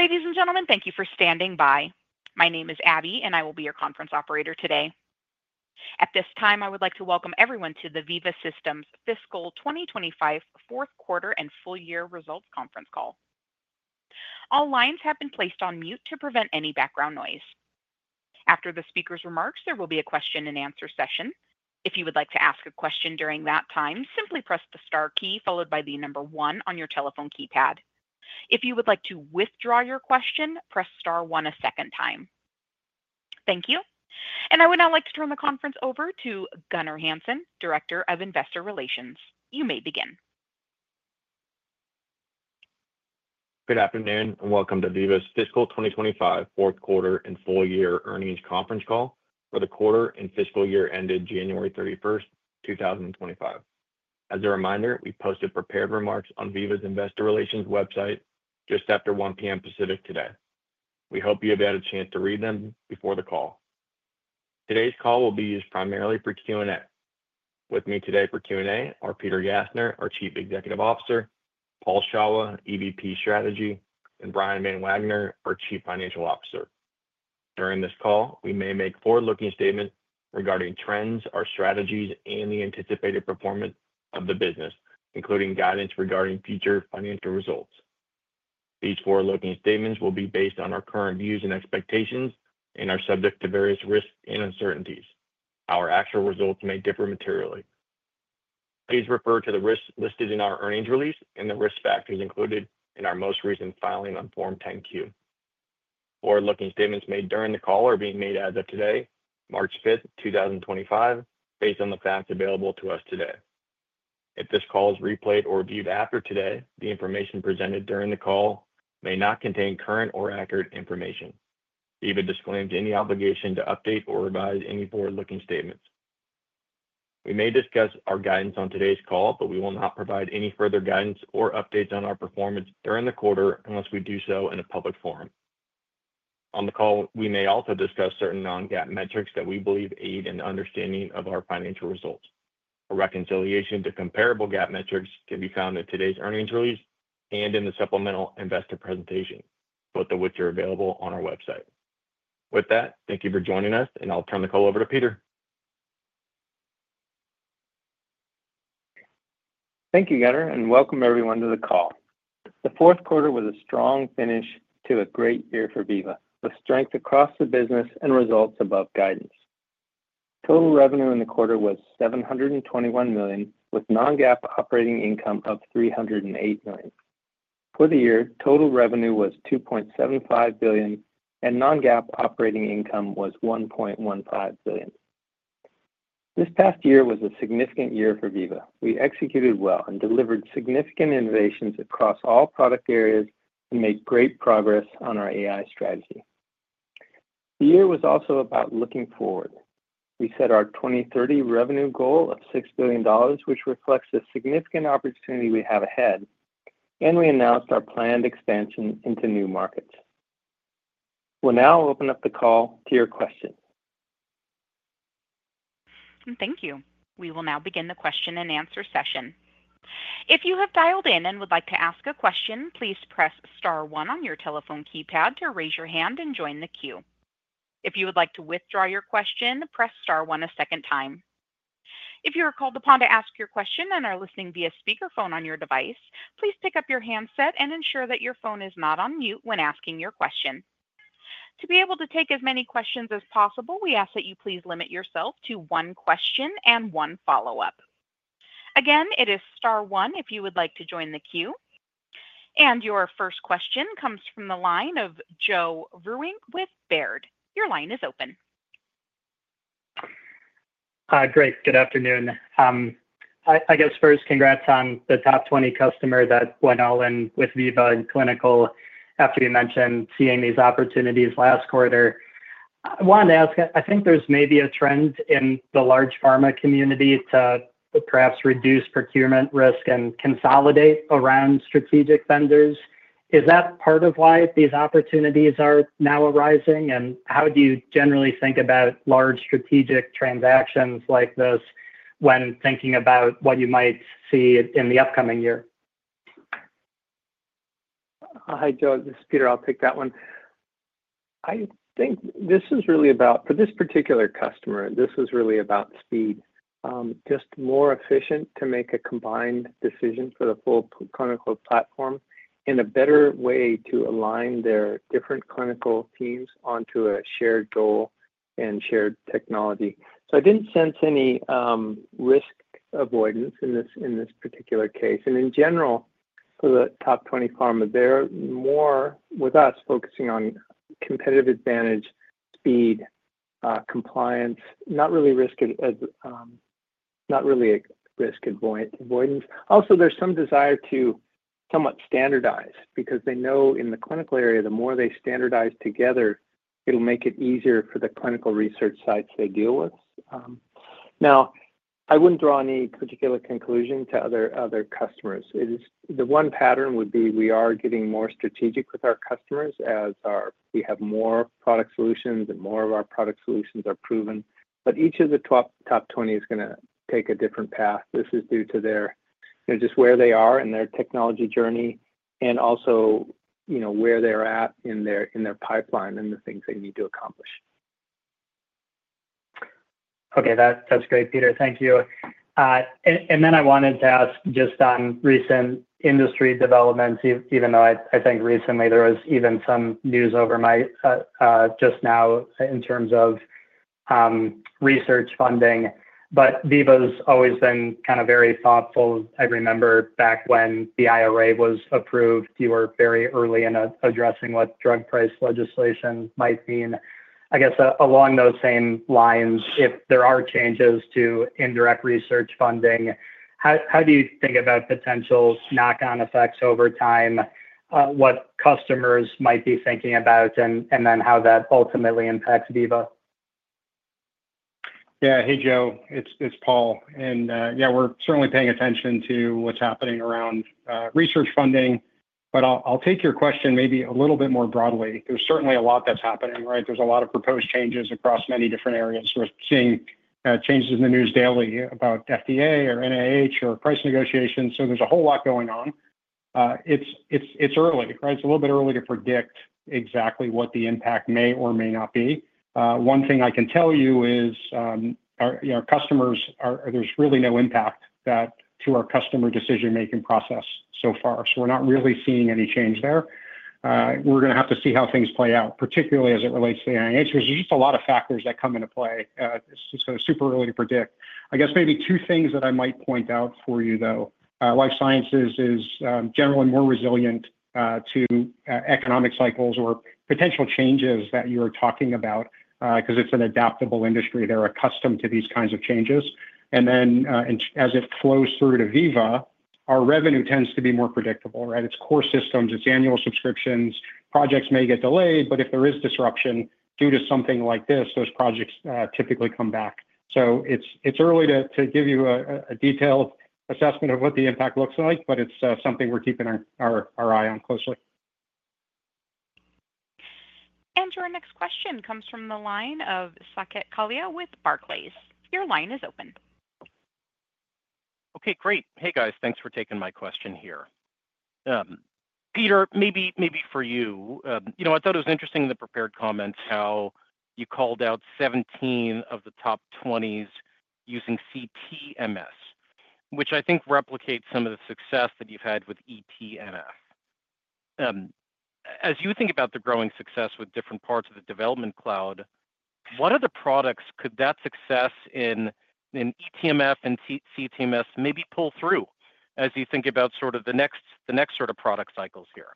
Ladies and gentlemen, thank you for standing by. My name is Abby, and I will be your conference operator today. At this time, I would like to welcome everyone to the Veeva Systems Fiscal 2025 Fourth Quarter and Full Year Results Conference Call. All lines have been placed on mute to prevent any background noise. After the speaker's remarks, there will be a question-and-answer session. If you would like to ask a question during that time, simply press the star key followed by the number one on your telephone keypad. If you would like to withdraw your question, press star one a second time. Thank you. And I would now like to turn the conference over to Gunnar Hansen, Director of Investor Relations. You may begin. Good afternoon, and welcome to Veeva's Fiscal 2025 Fourth Quarter and Full Year Earnings Conference Call, where the quarter and fiscal year ended January 31st, 2025. As a reminder, we posted prepared remarks on Veeva's Investor Relations website just after 1:00 P.M. Pacific today. We hope you have had a chance to read them before the call. Today's call will be used primarily for Q&A. With me today for Q&A are Peter Gassner, our Chief Executive Officer; Paul Shawah, EVP Strategy; and Brian Van Wagener, our Chief Financial Officer. During this call, we may make forward-looking statements regarding trends, our strategies, and the anticipated performance of the business, including guidance regarding future financial results. These forward-looking statements will be based on our current views and expectations and are subject to various risks and uncertainties. Our actual results may differ materially. Please refer to the risks listed in our earnings release and the risk factors included in our most recent filing on Form 10-Q. Forward-looking statements made during the call are being made as of today, March 5th, 2025, based on the facts available to us today. If this call is replayed or viewed after today, the information presented during the call may not contain current or accurate information. Veeva disclaims any obligation to update or revise any forward-looking statements. We may discuss our guidance on today's call, but we will not provide any further guidance or updates on our performance during the quarter unless we do so in a public forum. On the call, we may also discuss certain non-GAAP metrics that we believe aid in understanding of our financial results. A reconciliation to comparable GAAP metrics can be found in today's earnings release and in the supplemental investor presentation, both of which are available on our website. With that, thank you for joining us, and I'll turn the call over to Peter. Thank you, Gunnar, and welcome everyone to the call. The fourth quarter was a strong finish to a great year for Veeva, with strength across the business and results above guidance. Total revenue in the quarter was $721 million, with non-GAAP operating income of $308 million. For the year, total revenue was $2.75 billion, and non-GAAP operating income was $1.15 billion. This past year was a significant year for Veeva. We executed well and delivered significant innovations across all product areas and made great progress on our AI strategy. The year was also about looking forward. We set our 2030 revenue goal of $6 billion, which reflects the significant opportunity we have ahead, and we announced our planned expansion into new markets. We'll now open up the call to your question. Thank you. We will now begin the question-and-answer session. If you have dialed in and would like to ask a question, please press star one on your telephone keypad to raise your hand and join the queue. If you would like to withdraw your question, press star one a second time. If you are called upon to ask your question and are listening via speakerphone on your device, please pick up your handset and ensure that your phone is not on mute when asking your question. To be able to take as many questions as possible, we ask that you please limit yourself to one question and one follow-up. Again, it is star one if you would like to join the queue. And your first question comes from the line of Joe Vruwink with Baird. Your line is open. Great. Good afternoon. I guess first, congrats on the top 20 customers that went all in with Veeva and Clinical after you mentioned seeing these opportunities last quarter. I wanted to ask, I think there's maybe a trend in the large pharma community to perhaps reduce procurement risk and consolidate around strategic vendors. Is that part of why these opportunities are now arising? And how do you generally think about large strategic transactions like this when thinking about what you might see in the upcoming year? Hi, Joe. This is Peter. I'll take that one. I think this is really about, for this particular customer, this was really about speed. Just more efficient to make a combined decision for the full clinical platform and a better way to align their different clinical teams onto a shared goal and shared technology, so I didn't sense any risk avoidance in this particular case, and in general, for the top 20 pharma, they're more with us focusing on competitive advantage, speed, compliance, not really risk avoidance. Also, there's some desire to somewhat standardize because they know in the clinical area, the more they standardize together, it'll make it easier for the clinical research sites they deal with. Now, I wouldn't draw any particular conclusion to other customers. The one pattern would be we are getting more strategic with our customers as we have more product solutions and more of our product solutions are proven. But each of the top 20 is going to take a different path. This is due to just where they are in their technology journey and also where they're at in their pipeline and the things they need to accomplish. Okay. That's great, Peter. Thank you. And then I wanted to ask just on recent industry developments, even though I think recently there was even some news overnight just now in terms of research funding. But Veeva has always been kind of very thoughtful. I remember back when the IRA was approved, you were very early in addressing what drug price legislation might mean. I guess along those same lines, if there are changes to indirect research funding, how do you think about potential knock-on effects over time, what customers might be thinking about, and then how that ultimately impacts Veeva? Yeah. Hey, Joe. It's Paul. And yeah, we're certainly paying attention to what's happening around research funding. But I'll take your question maybe a little bit more broadly. There's certainly a lot that's happening, right? There's a lot of proposed changes across many different areas. We're seeing changes in the news daily about FDA or NIH or price negotiations. So there's a whole lot going on. It's early, right? It's a little bit early to predict exactly what the impact may or may not be. One thing I can tell you is our customers, there's really no impact to our customer decision-making process so far. So we're not really seeing any change there. We're going to have to see how things play out, particularly as it relates to the NIH, because there's just a lot of factors that come into play. It's just super early to predict. I guess maybe two things that I might point out for you, though. Life Sciences is generally more resilient to economic cycles or potential changes that you are talking about because it's an adaptable industry. They're accustomed to these kinds of changes. And then as it flows through to Veeva, our revenue tends to be more predictable, right? It's core systems. It's annual subscriptions. Projects may get delayed, but if there is disruption due to something like this, those projects typically come back. So it's early to give you a detailed assessment of what the impact looks like, but it's something we're keeping our eye on closely. Your next question comes from the line of Saket Kalia with Barclays. Your line is open. Okay. Great. Hey, guys. Thanks for taking my question here. Peter, maybe for you, I thought it was interesting in the prepared comments how you called out 17 of the top 20s using CTMS, which I think replicates some of the success that you've had with eTMF. As you think about the growing success with different parts of the development cloud, what other products could that success in eTMF and CTMS maybe pull through as you think about sort of the next sort of product cycles here?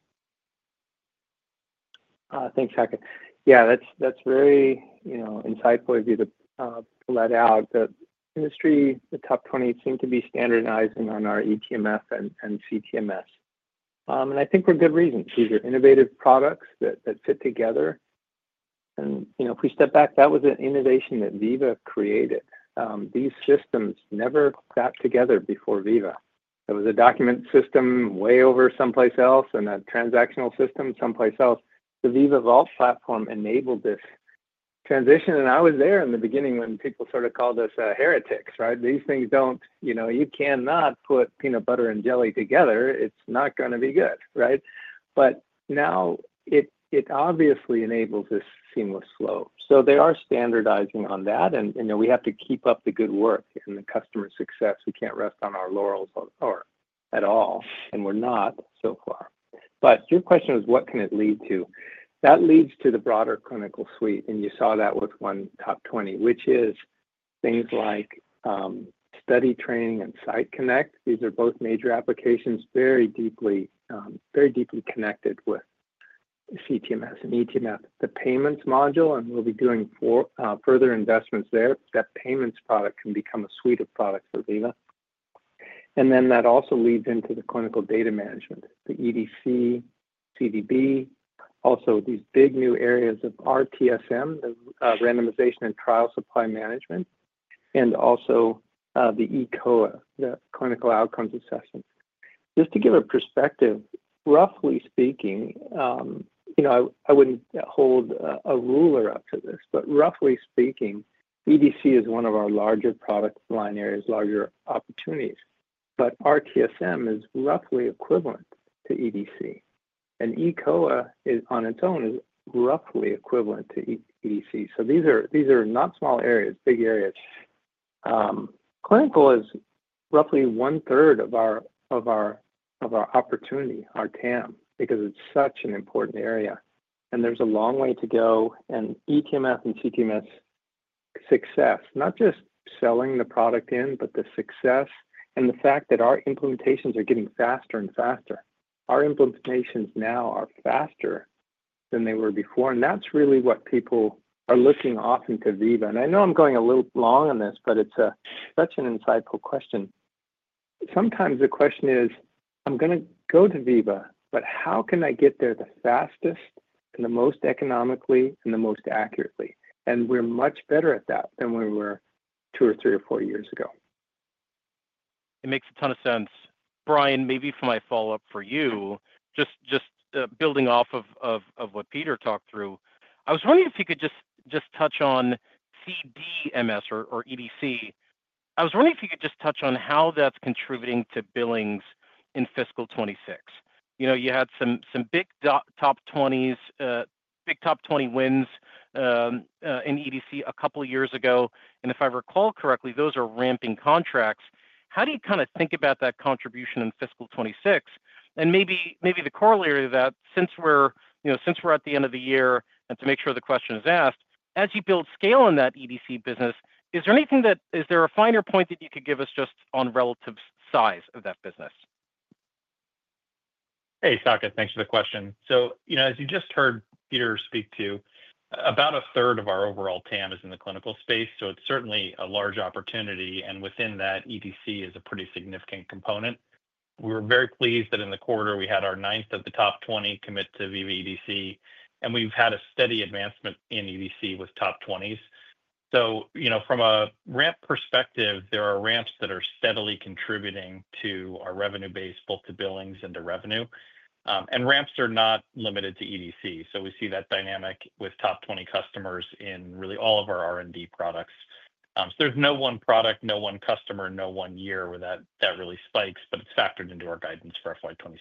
Thanks, Hacken. Yeah, that's very insightful of you to point out that in the industry, the top 20, seem to be standardizing on our eTMF and CTMS, and I think for good reason. These are innovative products that fit together, and if we step back, that was an innovation that Veeva created. These systems never got together before Veeva. It was a document system way over someplace else and a transactional system someplace else. The Veeva Vault Platform enabled this transition, and I was there in the beginning when people sort of called us heretics, right? These things don't. You cannot put peanut butter and jelly together. It's not going to be good, right, but now it obviously enables this seamless flow, so they are standardizing on that, and we have to keep up the good work and the customer success. We can't rest on our laurels at all, and we're not so far. But your question was, what can it lead to? That leads to the broader clinical suite. And you saw that with one top 20, which is things like Study Training and Site Connect. These are both major applications, very deeply connected with CTMS and eTMF. The payments module, and we'll be doing further investments there. That payments product can become a suite of products for Veeva. And then that also leads into the clinical data management, the EDC, CDB, also these big new areas of RTSM, the Randomization and Trial Supply Management, and also the eCOA, the Clinical Outcomes Assessment. Just to give a perspective, roughly speaking, I wouldn't hold a ruler up to this, but roughly speaking, EDC is one of our larger product line areas, larger opportunities. But RTSM is roughly equivalent to EDC. And eCOA on its own is roughly equivalent to EDC. So these are not small areas, big areas. Clinical is roughly one-third of our opportunity, our TAM, because it's such an important area. And there's a long way to go. And eTMF and CTMS success, not just selling the product in, but the success and the fact that our implementations are getting faster and faster. Our implementations now are faster than they were before. And that's really what people are looking often to Veeva. And I know I'm going a little long on this, but it's such an insightful question. Sometimes the question is, "I'm going to go to Veeva, but how can I get there the fastest and the most economically and the most accurately?" And we're much better at that than we were two or three or four years ago. It makes a ton of sense. Brian, maybe for my follow-up for you, just building off of what Peter talked through, I was wondering if you could just touch on CDMS or EDC. I was wondering if you could just touch on how that's contributing to billings in fiscal 2026. You had some big top 20 wins in EDC a couple of years ago. And if I recall correctly, those are ramping contracts. How do you kind of think about that contribution in fiscal 2026? And maybe the corollary of that, since we're at the end of the year, and to make sure the question is asked, as you build scale in that EDC business, is there a finer point that you could give us just on relative size of that business? Hey, Saket. Thanks for the question. So as you just heard Peter speak to, about a third of our overall TAM is in the clinical space. So it's certainly a large opportunity. And within that, EDC is a pretty significant component. We were very pleased that in the quarter, we had our ninth of the top 20 commit to Veeva EDC. And we've had a steady advancement in EDC with top 20s. So from a ramp perspective, there are ramps that are steadily contributing to our revenue base both to billings and to revenue. And ramps are not limited to EDC. So we see that dynamic with top 20 customers in really all of our R&D products. So there's no one product, no one customer, no one year where that really spikes, but it's factored into our guidance for FY26.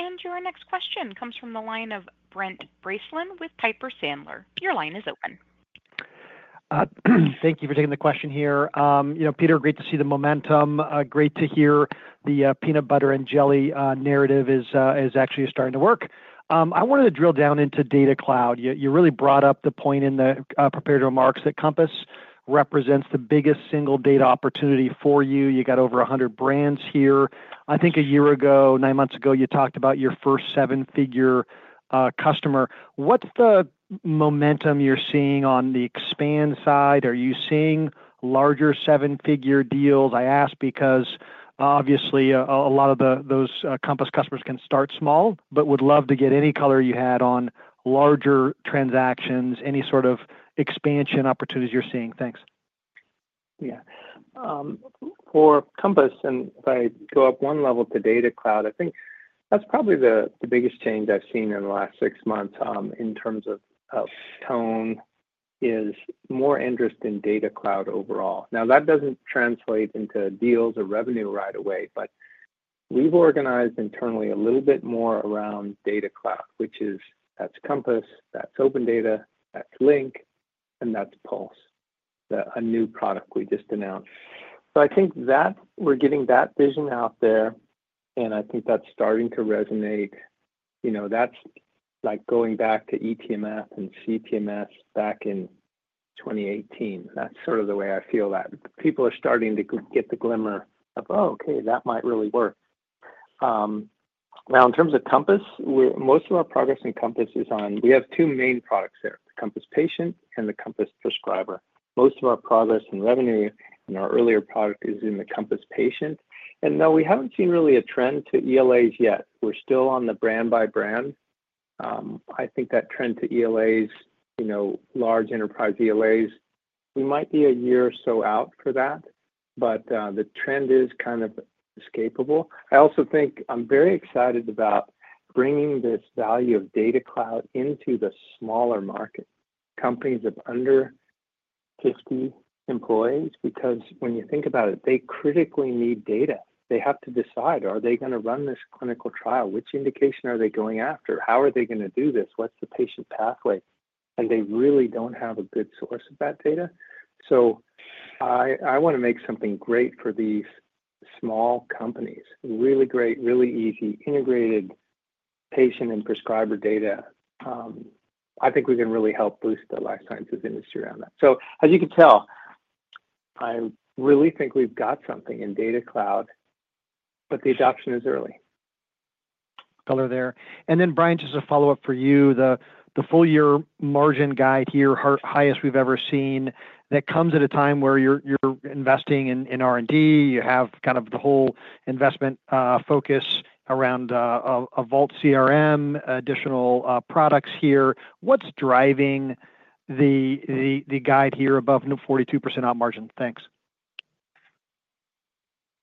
And your next question comes from the line of Brent Bracelin with Piper Sandler. Your line is open. Thank you for taking the question here. Peter, great to see the momentum. Great to hear the peanut butter and jelly narrative is actually starting to work. I wanted to drill down into Data Cloud. You really brought up the point in the prepared remarks that Compass represents the biggest single data opportunity for you. You got over 100 brands here. I think a year ago, nine months ago, you talked about your first seven-figure customer. What's the momentum you're seeing on the expand side? Are you seeing larger seven-figure deals? I ask because obviously a lot of those Compass customers can start small, but would love to get any color you had on larger transactions, any sort of expansion opportunities you're seeing. Thanks. Yeah. For Compass, and if I go up one level to Data Cloud, I think that's probably the biggest change I've seen in the last six months in terms of tone is more interest in Data Cloud overall. Now, that doesn't translate into deals or revenue right away, but we've organized internally a little bit more around Data Cloud, which is that's Compass, that's OpenData, that's Link, and that's Pulse, a new product we just announced. So I think that we're getting that vision out there, and I think that's starting to resonate. That's like going back to eTMF and CTMS back in 2018. That's sort of the way I feel that people are starting to get the glimmer of, "Oh, okay, that might really work." Now, in terms of Compass, most of our progress in Compass is on we have two main products there: the Compass Patient and the Compass Prescriber. Most of our progress and revenue in our earlier product is in the Compass Patient. And no, we haven't seen really a trend to ELAs yet. We're still on the brand-by-brand. I think that trend to ELAs, large enterprise ELAs, we might be a year or so out for that, but the trend is kind of inescapable. I also think I'm very excited about bringing this value of Data Cloud into the smaller market, companies of under 50 employees, because when you think about it, they critically need data. They have to decide, are they going to run this clinical trial? Which indication are they going after? How are they going to do this? What's the patient pathway? And they really don't have a good source of that data. So I want to make something great for these small companies, really great, really easy, integrated patient and prescriber data. I think we can really help boost the life sciences industry around that. So as you can tell, I really think we've got something in data cloud, but the adoption is early. Color there. And then, Brian, just a follow-up for you, the full-year margin guide here, highest we've ever seen, that comes at a time where you're investing in R&D. You have kind of the whole investment focus around Vault CRM, additional products here. What's driving the guide here above 42% operating margin? Thanks.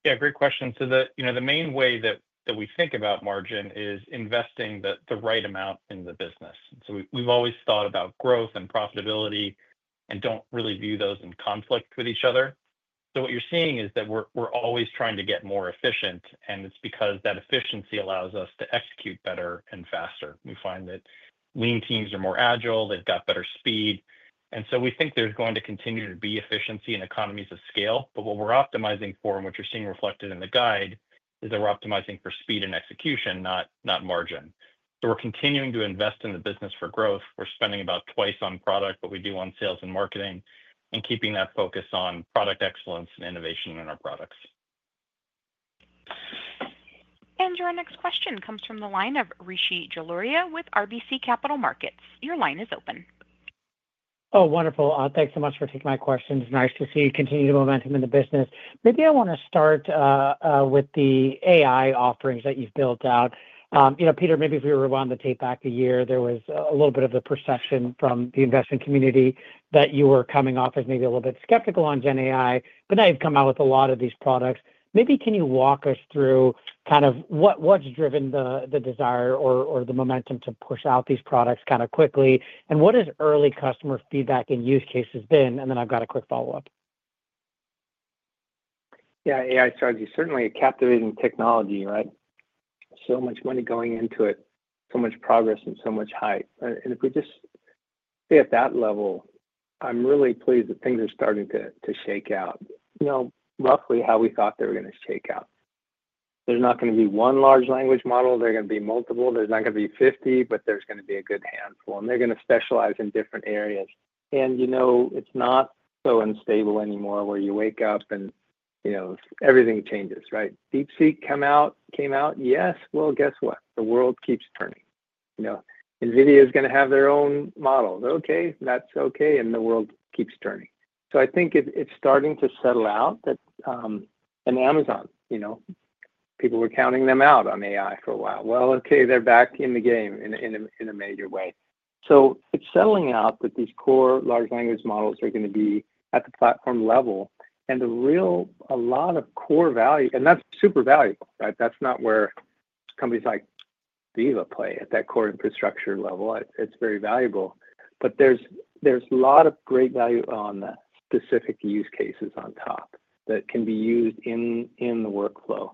Yeah, great question. So the main way that we think about margin is investing the right amount in the business. So we've always thought about growth and profitability and don't really view those in conflict with each other. So what you're seeing is that we're always trying to get more efficient, and it's because that efficiency allows us to execute better and faster. We find that lean teams are more agile. They've got better speed, and so we think there's going to continue to be efficiency and economies of scale, but what we're optimizing for, and what you're seeing reflected in the guide, is that we're optimizing for speed and execution, not margin, so we're continuing to invest in the business for growth. We're spending about twice on product, but we do on sales and marketing and keeping that focus on product excellence and innovation in our products. And your next question comes from the line of Rishi Jaluria with RBC Capital Markets. Your line is open. Oh, wonderful. Thanks so much for taking my questions. Nice to see continued momentum in the business. Maybe I want to start with the AI offerings that you've built out. Peter, maybe if we were on the tape back a year, there was a little bit of the perception from the investment community that you were coming off as maybe a little bit skeptical on GenAI, but now you've come out with a lot of these products. Maybe can you walk us through kind of what's driven the desire or the momentum to push out these products kind of quickly, and what has early customer feedback and use cases been, and then I've got a quick follow-up. Yeah, AI strategy is certainly a captivating technology, right? So much money going into it, so much progress and so much hype, and if we just stay at that level, I'm really pleased that things are starting to shake out roughly how we thought they were going to shake out. There's not going to be one large language model. There are going to be multiple. There's not going to be 50, but there's going to be a good handful, and they're going to specialize in different areas, and it's not so unstable anymore where you wake up and everything changes, right? DeepSeek came out. Yes, well, guess what? The world keeps turning. NVIDIA is going to have their own models. Okay. That's okay, and the world keeps turning. So I think it's starting to settle out, and Amazon, people were counting them out on AI for a while. Okay, they're back in the game in a major way. It's settling out that these core large language models are going to be at the platform level. A lot of core value, and that's super valuable, right? That's not where companies like Veeva play at that core infrastructure level. It's very valuable, but there's a lot of great value on the specific use cases on top that can be used in the workflow.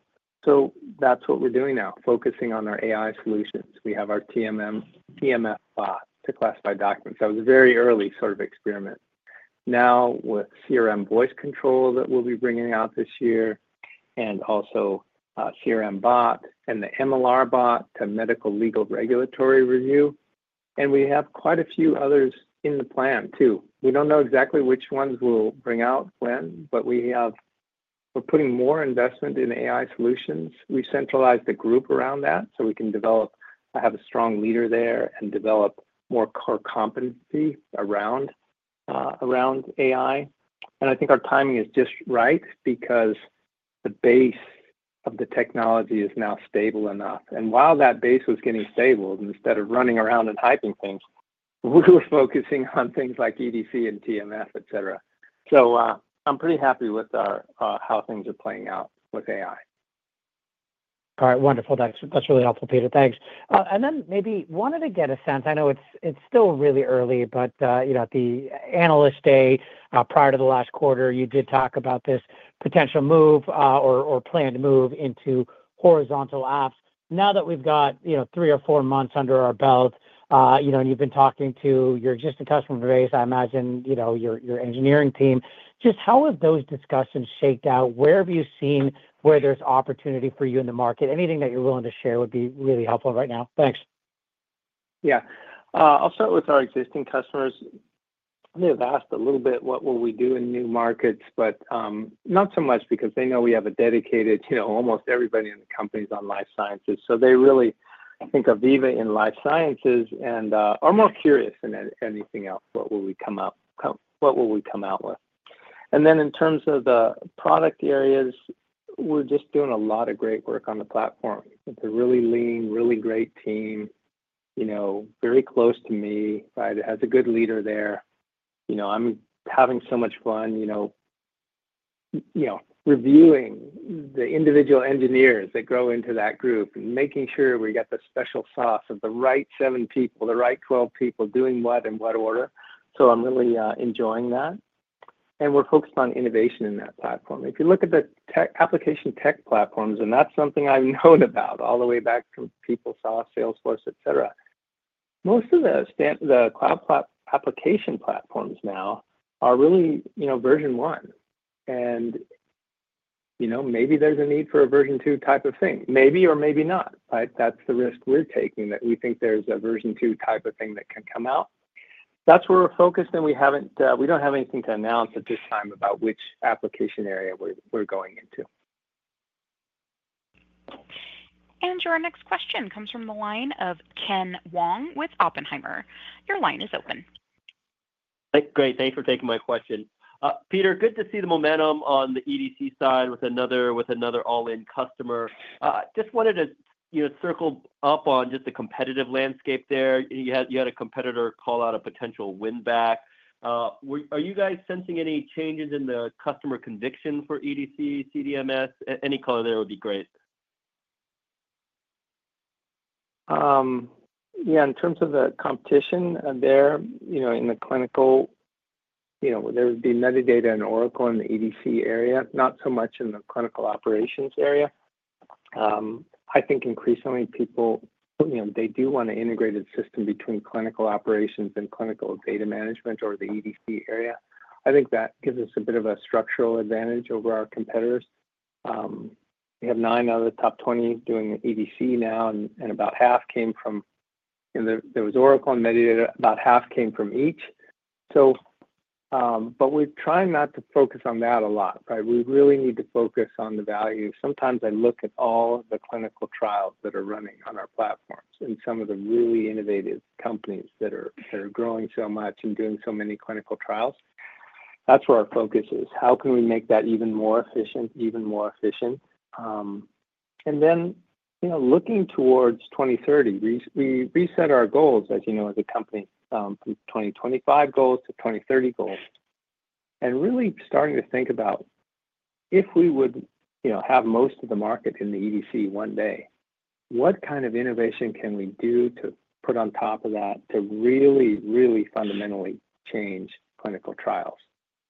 That's what we're doing now, focusing on our AI solutions. We have our eTMF Bot to classify documents. That was a very early sort of experiment. Now with CRM Voice Control that we'll be bringing out this year, and also CRM Bot and the MLR Bot to medical legal regulatory review. We have quite a few others in the plan too. We don't know exactly which ones we'll bring out when, but we're putting more investment in AI solutions. We centralize the group around that so we can develop, have a strong leader there and develop more core competency around AI. And I think our timing is just right because the base of the technology is now stable enough. And while that base was getting stable, instead of running around and hyping things, we were focusing on things like EDC and eTMF, etc. So I'm pretty happy with how things are playing out with AI. All right. Wonderful. That's really helpful, Peter. Thanks. And then maybe wanted to get a sense. I know it's still really early, but at the Analyst Day prior to the last quarter, you did talk about this potential move or planned move into horizontal apps. Now that we've got three or four months under our belt, and you've been talking to your existing customer base, I imagine your engineering team. Just how have those discussions shaken out? Where have you seen where there's opportunity for you in the market? Anything that you're willing to share would be really helpful right now. Thanks. Yeah. I'll start with our existing customers. They've asked a little bit what will we do in new markets, but not so much because they know we have a dedicated almost everybody in the company is on life sciences. So they really think of Veeva in life sciences and are more curious than anything else, what will we come out with. And then in terms of the product areas, we're just doing a lot of great work on the platform. It's a really lean, really great team, very close to me, right? It has a good leader there. I'm having so much fun reviewing the individual engineers that grow into that group and making sure we got the special sauce of the right seven people, the right 12 people doing what in what order. So I'm really enjoying that. We're focused on innovation in that platform. If you look at the application tech platforms, and that's something I've known about all the way back from PeopleSoft, Salesforce, etc., most of the cloud application platforms now are really version one. Maybe there's a need for a Version two type of thing. Maybe or maybe not, right? That's the risk we're taking that we think there's a Version two type of thing that can come out. That's where we're focused. We don't have anything to announce at this time about which application area we're going into. Your next question comes from the line of Ken Wong with Oppenheimer. Your line is open. Great. Thanks for taking my question. Peter, good to see the momentum on the EDC side with another all-in customer. Just wanted to circle up on just the competitive landscape there. You had a competitor call out a potential win back. Are you guys sensing any changes in the customer conviction for EDC, CDMS? Any color there would be great. Yeah. In terms of the competition there, in the clinical, there would be Medidata and Oracle in the EDC area, not so much in the clinical operations area. I think increasingly people, they do want an integrated system between clinical operations and clinical data management or the EDC area. I think that gives us a bit of a structural advantage over our competitors. We have nine out of the top 20 doing the EDC now, and about half came from Oracle and Medidata, about half came from each. But we're trying not to focus on that a lot, right? We really need to focus on the value. Sometimes I look at all the clinical trials that are running on our platforms and some of the really innovative companies that are growing so much and doing so many clinical trials. That's where our focus is. How can we make that even more efficient, even more efficient? And then looking towards 2030, we reset our goals, as you know, as a company, from 2025 goals to 2030 goals. And really starting to think about if we would have most of the market in the EDC one day, what kind of innovation can we do to put on top of that to really, really fundamentally change clinical trials?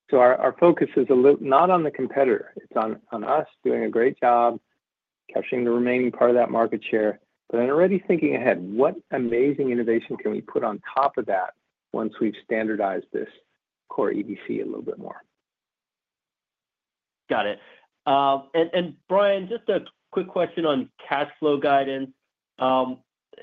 So our focus is not on the competitor. It's on us doing a great job, capturing the remaining part of that market share, but then already thinking ahead, what amazing innovation can we put on top of that once we've standardized this core EDC a little bit more? Got it, and Brian, just a quick question on cash flow guidance.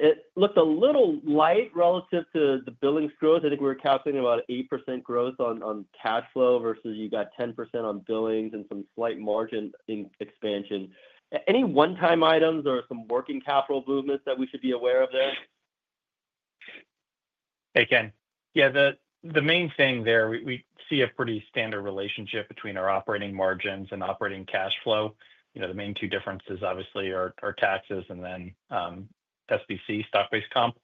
It looked a little light relative to the billings growth. I think we were calculating about 8% growth on cash flow versus you got 10% on billings and some slight margin expansion. Any one-time items or some working capital movements that we should be aware of there? Hey, Ken. Yeah, the main thing there, we see a pretty standard relationship between our operating margins and operating cash flow. The main two differences obviously are taxes and then SBC, stock-based comp.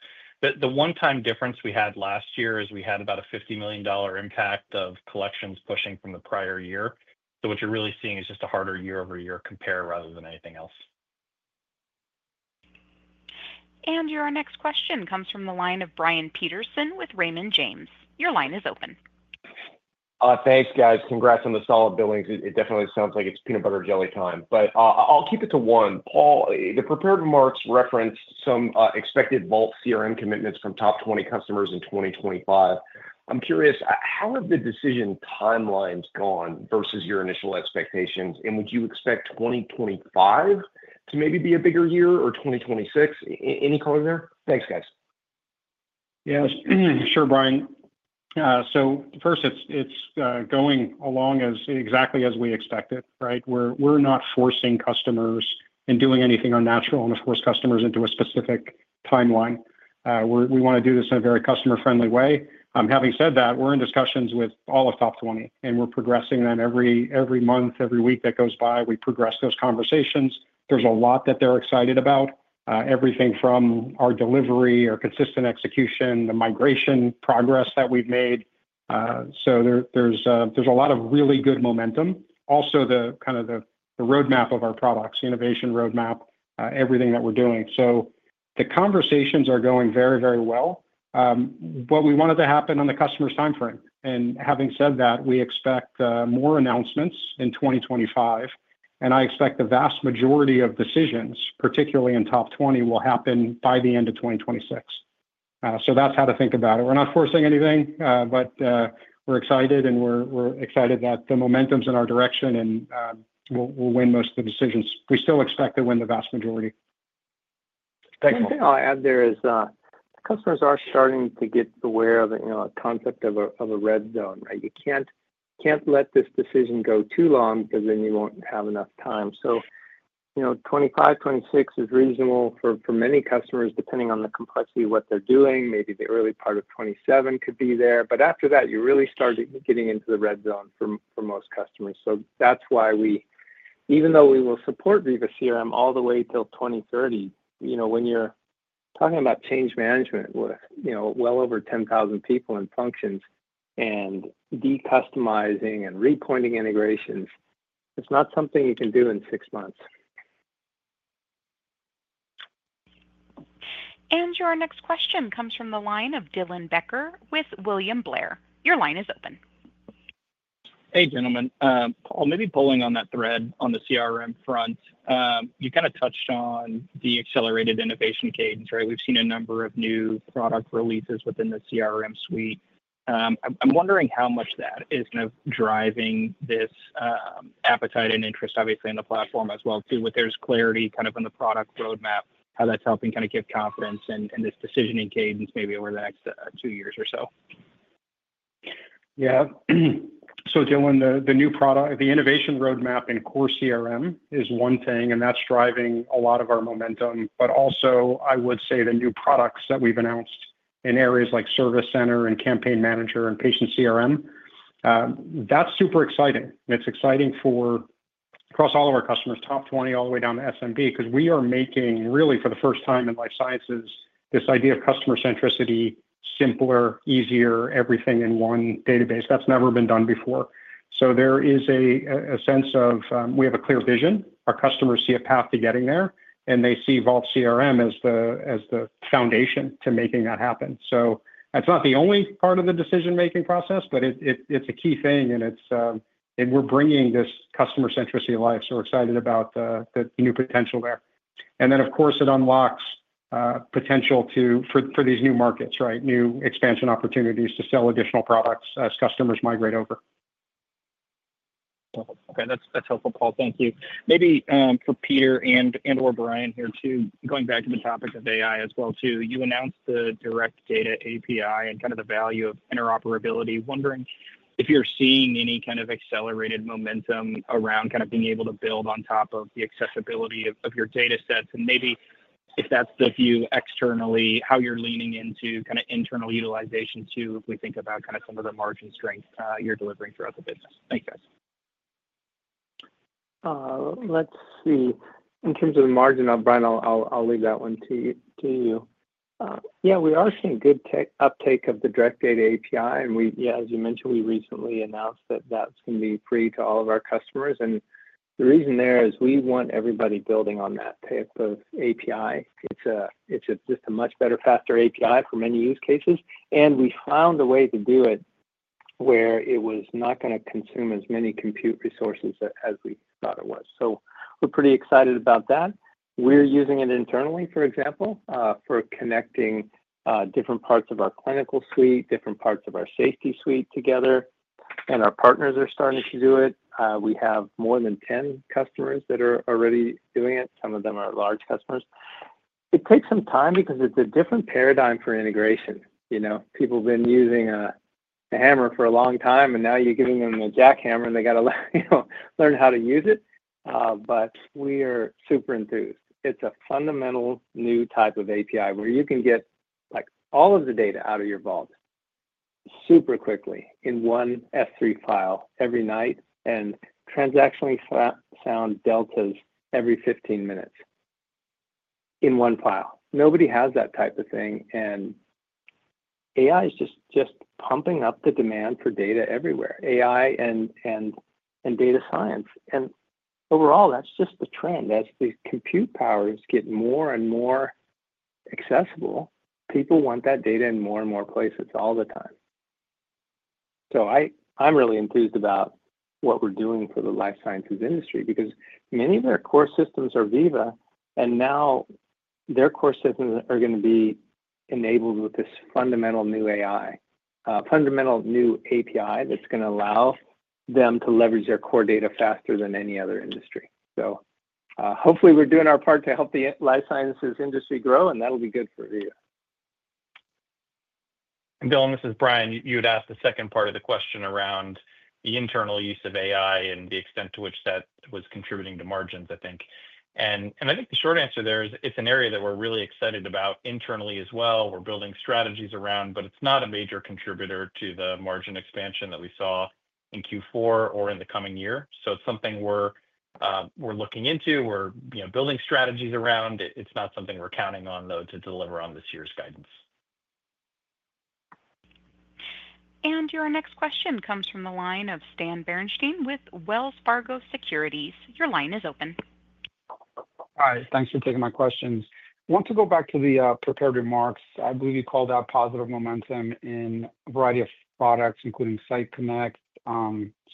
But the one-time difference we had last year is we had about a $50 million impact of collections pushing from the prior year. So what you're really seeing is just a harder year-over-year compare rather than anything else. And your next question comes from the line of Brian Peterson with Raymond James. Your line is open. Thanks, guys. Congrats on the solid billings. It definitely sounds like it's peanut butter and jelly time. But I'll keep it to one. Paul, the prepared remarks referenced some expected Vault CRM commitments from top 20 customers in 2025. I'm curious, how have the decision timelines gone versus your initial expectations? And would you expect 2025 to maybe be a bigger year or 2026? Any color there? Thanks, guys. Yeah. Sure, Brian. So first, it's going along exactly as we expected, right? We're not forcing customers and doing anything unnatural and, of course, customers into a specific timeline. We want to do this in a very customer-friendly way. Having said that, we're in discussions with all of top 20, and we're progressing them every month, every week that goes by. We progress those conversations. There's a lot that they're excited about, everything from our delivery, our consistent execution, the migration progress that we've made. So there's a lot of really good momentum. Also, kind of the roadmap of our products, innovation roadmap, everything that we're doing. So the conversations are going very, very well. What we wanted to happen on the customer's timeframe. And having said that, we expect more announcements in 2025. I expect the vast majority of decisions, particularly in top 20, will happen by the end of 2026. So that's how to think about it. We're not forcing anything, but we're excited, and we're excited that the momentum's in our direction, and we'll win most of the decisions. We still expect to win the vast majority. Thanks. One thing I'll add there is customers are starting to get aware of the concept of a red zone, right? You can't let this decision go too long because then you won't have enough time. So 2025, 2026 is reasonable for many customers, depending on the complexity of what they're doing. Maybe the early part of 2027 could be there. But after that, you really start getting into the red zone for most customers. So that's why we, even though we will support Veeva CRM all the way till 2030, when you're talking about change management with well over 10,000 people and functions and decustomizing and repointing integrations, it's not something you can do in six months. Your next question comes from the line of Dylan Becker with William Blair. Your line is open. Hey, gentlemen. Paul, maybe pulling on that thread on the CRM front. You kind of touched on the accelerated innovation cadence, right? We've seen a number of new product releases within the CRM suite. I'm wondering how much that is kind of driving this appetite and interest, obviously, on the platform as well too, where there's clarity kind of in the product roadmap, how that's helping kind of give confidence in this decision and cadence maybe over the next two years or so. Yeah. So, Dylan, the new product, the innovation roadmap and core CRM is one thing, and that's driving a lot of our momentum. But also, I would say the new products that we've announced in areas like Service Center and Campaign Manager and patient CRM, that's super exciting. It's exciting for across all of our customers, top 20 all the way down to SMB, because we are making, really, for the first time in life sciences, this idea of customer centricity, simpler, easier, everything in one database. That's never been done before. So there is a sense of we have a clear vision. Our customers see a path to getting there, and they see Vault CRM as the foundation to making that happen. So that's not the only part of the decision-making process, but it's a key thing, and we're bringing this customer centricity alive. So we're excited about the new potential there. And then, of course, it unlocks potential for these new markets, right? New expansion opportunities to sell additional products as customers migrate over. Okay. That's helpful, Paul. Thank you. Maybe for Peter and/or Brian here too, going back to the topic of AI as well too, you announced the Direct Data API and kind of the value of interoperability. Wondering if you're seeing any kind of accelerated momentum around kind of being able to build on top of the accessibility of your data sets, and maybe if that's the view externally, how you're leaning into kind of internal utilization too, if we think about kind of some of the margin strength you're delivering throughout the business. Thanks, guys. Let's see. In terms of the margin, Brian, I'll leave that one to you. Yeah, we are seeing good uptake of the Direct Data API. And yeah, as you mentioned, we recently announced that that's going to be free to all of our customers. And the reason there is we want everybody building on that type of API. It's just a much better, faster API for many use cases. And we found a way to do it where it was not going to consume as many compute resources as we thought it was. So we're pretty excited about that. We're using it internally, for example, for connecting different parts of our clinical suite, different parts of our safety suite together. And our partners are starting to do it. We have more than 10 customers that are already doing it. Some of them are large customers. It takes some time because it's a different paradigm for integration. People have been using a hammer for a long time, and now you're giving them a jackhammer, and they got to learn how to use it, but we are super enthused. It's a fundamental new type of API where you can get all of the data out of your vault super quickly in one S3 file every night and transactionally sound deltas every 15 minutes in one file. Nobody has that type of thing, and AI is just pumping up the demand for data everywhere, AI and data science, and overall, that's just the trend. As the compute powers get more and more accessible, people want that data in more and more places all the time. So I'm really enthused about what we're doing for the life sciences industry because many of their core systems are Veeva, and now their core systems are going to be enabled with this fundamental new AI, fundamental new API that's going to allow them to leverage their core data faster than any other industry. So hopefully, we're doing our part to help the life sciences industry grow, and that'll be good for Veeva. Dylan, this is Brian. You had asked the second part of the question around the internal use of AI and the extent to which that was contributing to margins, I think. I think the short answer there is it's an area that we're really excited about internally as well. We're building strategies around, but it's not a major contributor to the margin expansion that we saw in Q4 or in the coming year. So it's something we're looking into. We're building strategies around. It's not something we're counting on, though, to deliver on this year's guidance. Your next question comes from the line of Stan Berenshteyn with Wells Fargo Securities. Your line is open. Hi. Thanks for taking my questions. I want to go back to the prepared remarks. I believe you called out positive momentum in a variety of products, including Site Connect,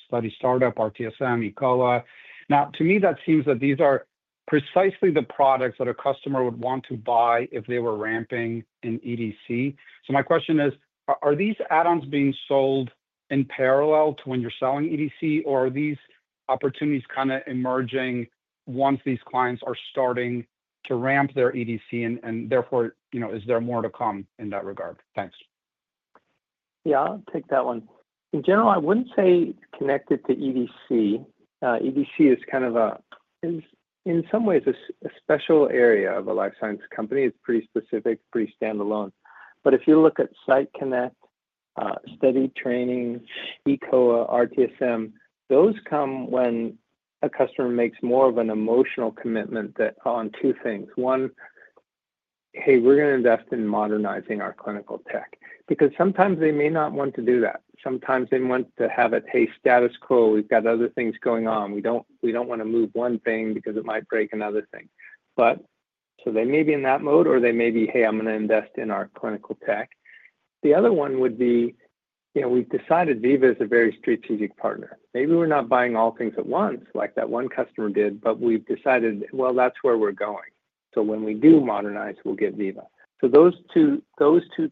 Study Startup, RTSM, eCOA. Now, to me, that seems that these are precisely the products that a customer would want to buy if they were ramping in EDC. So my question is, are these add-ons being sold in parallel to when you're selling EDC, or are these opportunities kind of emerging once these clients are starting to ramp their EDC? And therefore, is there more to come in that regard? Thanks. Yeah, I'll take that one. In general, I wouldn't say it's connected to EDC. EDC is kind of, in some ways, a special area of a life science company. It's pretty specific, pretty standalone. But if you look at Site Connect, Study Training, eCOA, RTSM, those come when a customer makes more of an emotional commitment on two things. One, hey, we're going to invest in modernizing our clinical tech because sometimes they may not want to do that. Sometimes they want to have it, hey, status quo. We've got other things going on. We don't want to move one thing because it might break another thing. So they may be in that mode, or they may be, hey, I'm going to invest in our clinical tech. The other one would be we've decided Veeva is a very strategic partner. Maybe we're not buying all things at once like that one customer did, but we've decided, well, that's where we're going. So when we do modernize, we'll get Veeva. So those two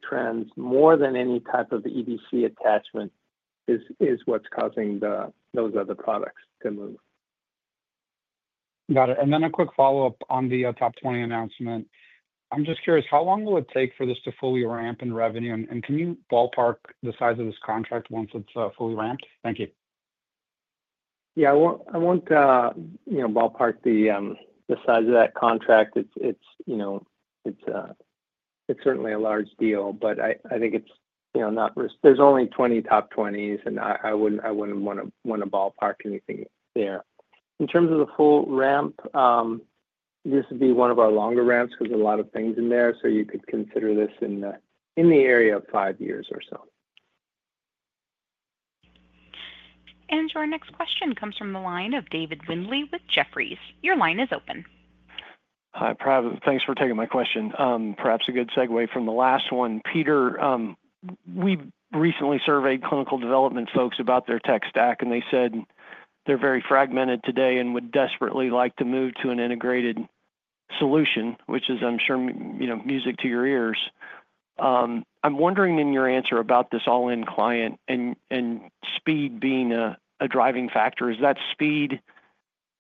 trends, more than any type of EDC attachment, is what's causing those other products to move. Got it. And then a quick follow-up on the top 20 announcement. I'm just curious, how long will it take for this to fully ramp in revenue? And can you ballpark the size of this contract once it's fully ramped? Thank you. Yeah, I won't ballpark the size of that contract. It's certainly a large deal, but I think it's not risky. There's only 20 top 20s, and I wouldn't want to ballpark anything there. In terms of the full ramp, this would be one of our longer ramps because there's a lot of things in there. So you could consider this in the area of five years or so. Your next question comes from the line of Dave Windley with Jefferies. Your line is open. Hi, Pravan. Thanks for taking my question. Perhaps a good segue from the last one. Peter, we recently surveyed clinical development folks about their tech stack, and they said they're very fragmented today and would desperately like to move to an integrated solution, which is, I'm sure, music to your ears. I'm wondering in your answer about this all-in client and speed being a driving factor, is that speed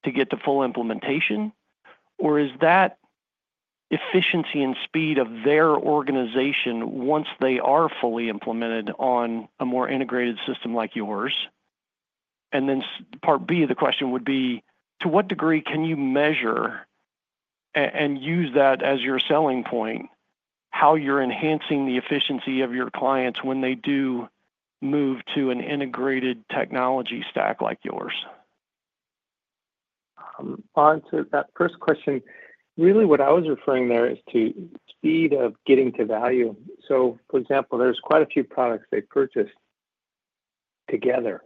to get to full implementation, or is that efficiency and speed of their organization once they are fully implemented on a more integrated system like yours? And then part B of the question would be, to what degree can you measure and use that as your selling point, how you're enhancing the efficiency of your clients when they do move to an integrated technology stack like yours? Onto that first question, really what I was referring there is to speed of getting to value. So, for example, there's quite a few products they've purchased together.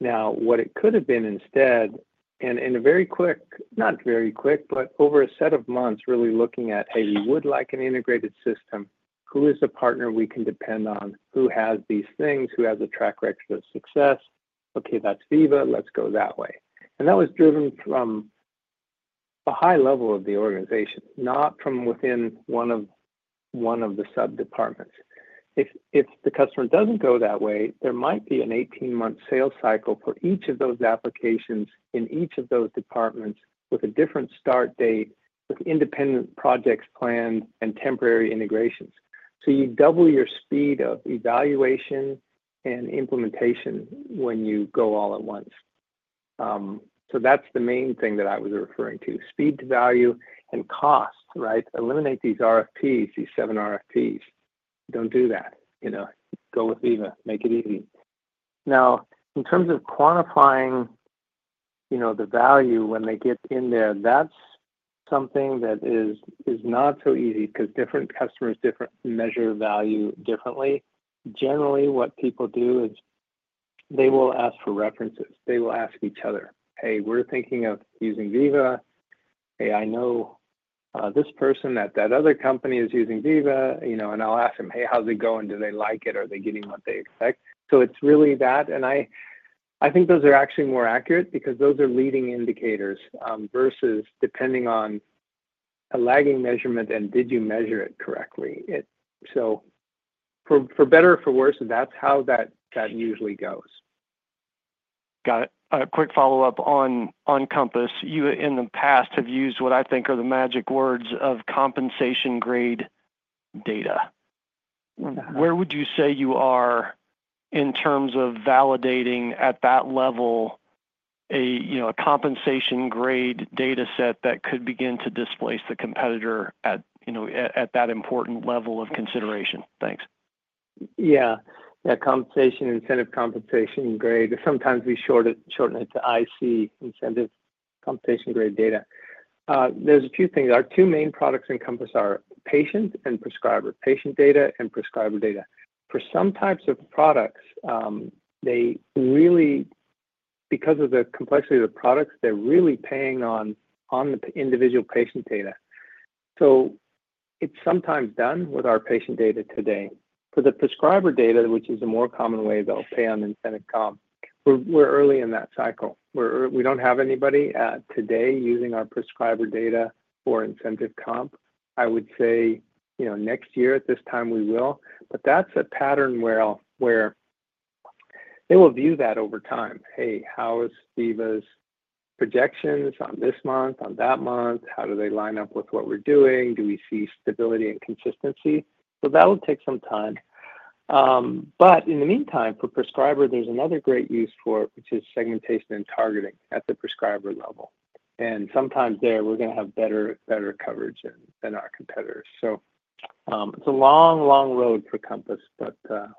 Now, what it could have been instead, and in a very quick, not very quick, but over a set of months, really looking at, hey, we would like an integrated system. Who is the partner we can depend on? Who has these things? Who has a track record of success? Okay, that's Veeva. Let's go that way. And that was driven from a high level of the organization, not from within one of the sub-departments. If the customer doesn't go that way, there might be an 18-month sales cycle for each of those applications in each of those departments with a different start date, with independent projects planned and temporary integrations. So you double your speed of evaluation and implementation when you go all at once. So that's the main thing that I was referring to: speed to value and cost, right? Eliminate these RFPs, these seven RFPs. Don't do that. Go with Veeva. Make it easy. Now, in terms of quantifying the value when they get in there, that's something that is not so easy because different customers measure value differently. Generally, what people do is they will ask for references. They will ask each other, "Hey, we're thinking of using Veeva. Hey, I know this person at that other company is using Veeva." And I'll ask them, "Hey, how's it going? Do they like it? Are they getting what they expect?" So it's really that. I think those are actually more accurate because those are leading indicators versus depending on a lagging measurement and did you measure it correctly. For better or for worse, that's how that usually goes. Got it. Quick follow-up on Compass. You, in the past, have used what I think are the magic words of compensation-grade data. Where would you say you are in terms of validating at that level a compensation-grade data set that could begin to displace the competitor at that important level of consideration? Thanks. Yeah. Yeah, compensation, incentive compensation grade. Sometimes we shorten it to IC, incentive compensation-grade data. There's a few things. Our two main products in Compass are patient and prescriber, patient data and prescriber data. For some types of products, because of the complexity of the products, they're really paying on the individual patient data. So it's sometimes done with our patient data today. For the prescriber data, which is a more common way they'll pay on incentive comp, we're early in that cycle. We don't have anybody today using our prescriber data for incentive comp. I would say next year at this time we will. But that's a pattern where they will view that over time. Hey, how is Veeva's projections on this month, on that month? How do they line up with what we're doing? Do we see stability and consistency? So that will take some time. But in the meantime, for prescriber, there's another great use for it, which is segmentation and targeting at the prescriber level. And sometimes there, we're going to have better coverage than our competitors. So it's a long, long road for Compass, but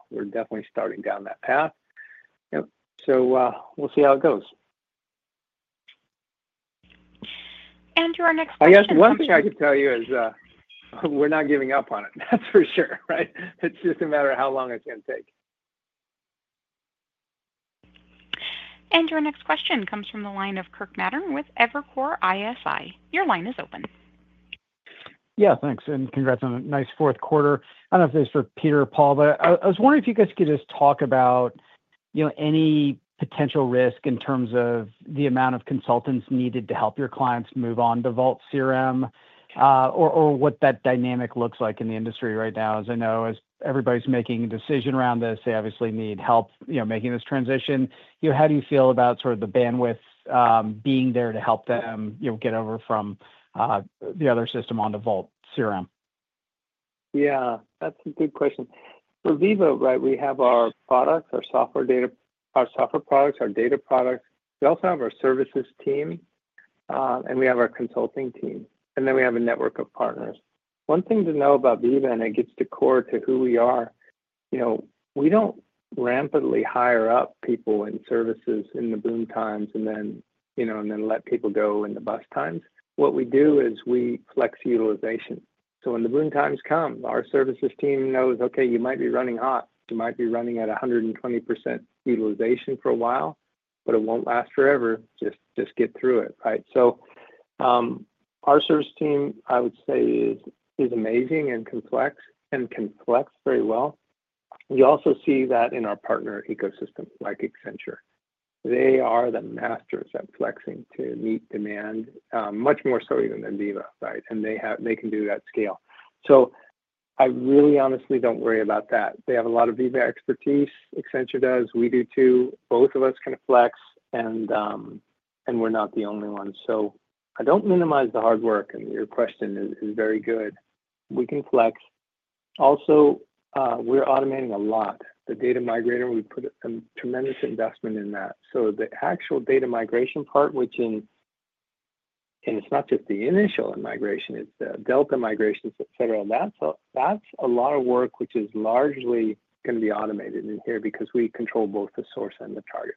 we're definitely starting down that path. So we'll see how it goes. Your next question comes from. I guess one thing I could tell you is we're not giving up on it. That's for sure, right? It's just a matter of how long it's going to take. And your next question comes from the line of Kirk Materne with Evercore ISI. Your line is open. Yeah, thanks. And congrats on a nice fourth quarter. I don't know if this is for Peter or Paul, but I was wondering if you guys could just talk about any potential risk in terms of the amount of consultants needed to help your clients move on to Vault CRM or what that dynamic looks like in the industry right now. As I know, as everybody's making a decision around this, they obviously need help making this transition. How do you feel about sort of the bandwidth being there to help them get over from the other system onto Vault CRM? Yeah, that's a good question. For Veeva, right, we have our products, our software products, our data products. We also have our services team, and we have our consulting team. And then we have a network of partners. One thing to know about Veeva, and it gets to the core of who we are, we don't rampantly hire up people in services in the boom times and then let people go in the bust times. What we do is we flex utilization. So when the boom times come, our services team knows, okay, you might be running hot. You might be running at 120% utilization for a while, but it won't last forever. Just get through it, right? So our services team, I would say, is amazing and can flex very well. You also see that in our partner ecosystem like Accenture. They are the masters at flexing to meet demand, much more so even than Veeva, right? And they can do that scale. So I really honestly don't worry about that. They have a lot of Veeva expertise. Accenture does. We do too. Both of us can flex, and we're not the only one. So I don't minimize the hard work. And your question is very good. We can flex. Also, we're automating a lot. The data migrator, we put a tremendous investment in that. So the actual data migration part, which is not just the initial migration, it's the delta migrations, etc., that's a lot of work which is largely going to be automated in here because we control both the source and the target.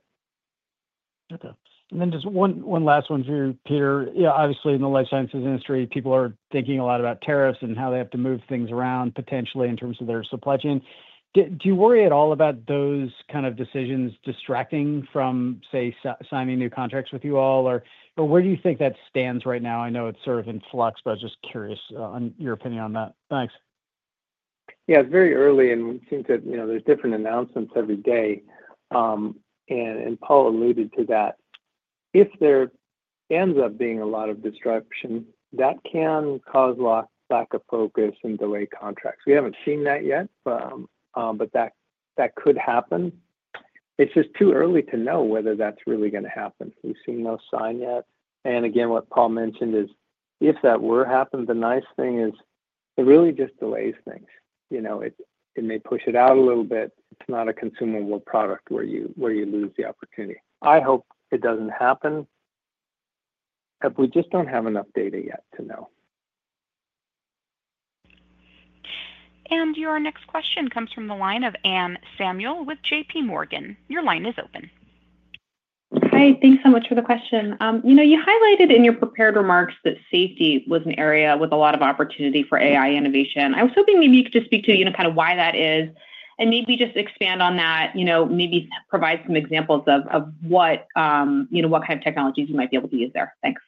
Got it. And then just one last one for you, Peter. Obviously, in the life sciences industry, people are thinking a lot about tariffs and how they have to move things around potentially in terms of their supply chain. Do you worry at all about those kind of decisions distracting from, say, signing new contracts with you all? Or where do you think that stands right now? I know it's sort of in flux, but I was just curious on your opinion on that. Thanks. Yeah, it's very early, and we seem to there's different announcements every day. And Paul alluded to that. If there ends up being a lot of disruption, that can cause lack of focus and delay contracts. We haven't seen that yet, but that could happen. It's just too early to know whether that's really going to happen. We've seen no sign yet. And again, what Paul mentioned is if that were to happen, the nice thing is it really just delays things. It may push it out a little bit. It's not a consumable product where you lose the opportunity. I hope it doesn't happen, but we just don't have enough data yet to know. Your next question comes from the line of Anne Samuel with JPMorgan. Your line is open. Hi. Thanks so much for the question. You highlighted in your prepared remarks that safety was an area with a lot of opportunity for AI innovation. I was hoping maybe you could just speak to kind of why that is and maybe just expand on that, maybe provide some examples of what kind of technologies you might be able to use there? Thanks.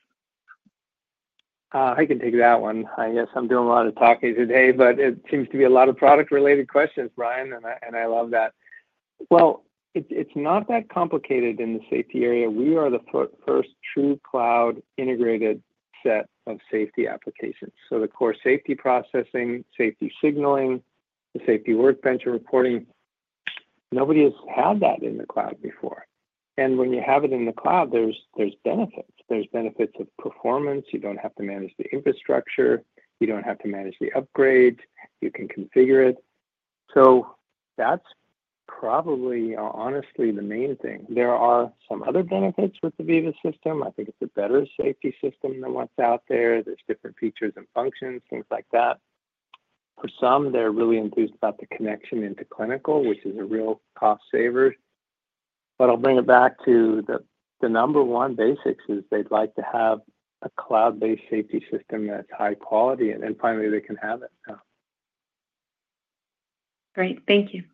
I can take that one. I guess I'm doing a lot of talking today, but it seems to be a lot of product-related questions, Brian, and I love that. Well, it's not that complicated in the safety area. We are the first true cloud-integrated set of safety applications. So the core safety processing, safety signaling, the safety workbench and reporting, nobody has had that in the cloud before. And when you have it in the cloud, there's benefits. There's benefits of performance. You don't have to manage the infrastructure. You don't have to manage the upgrade. You can configure it. So that's probably, honestly, the main thing. There are some other benefits with the Veeva system. I think it's a better safety system than what's out there. There's different features and functions, things like that. For some, they're really enthused about the connection into clinical, which is a real cost saver. But I'll bring it back to the number one basics is they'd like to have a cloud-based safety system that's high quality, and then finally, they can have it. Great. Thank you.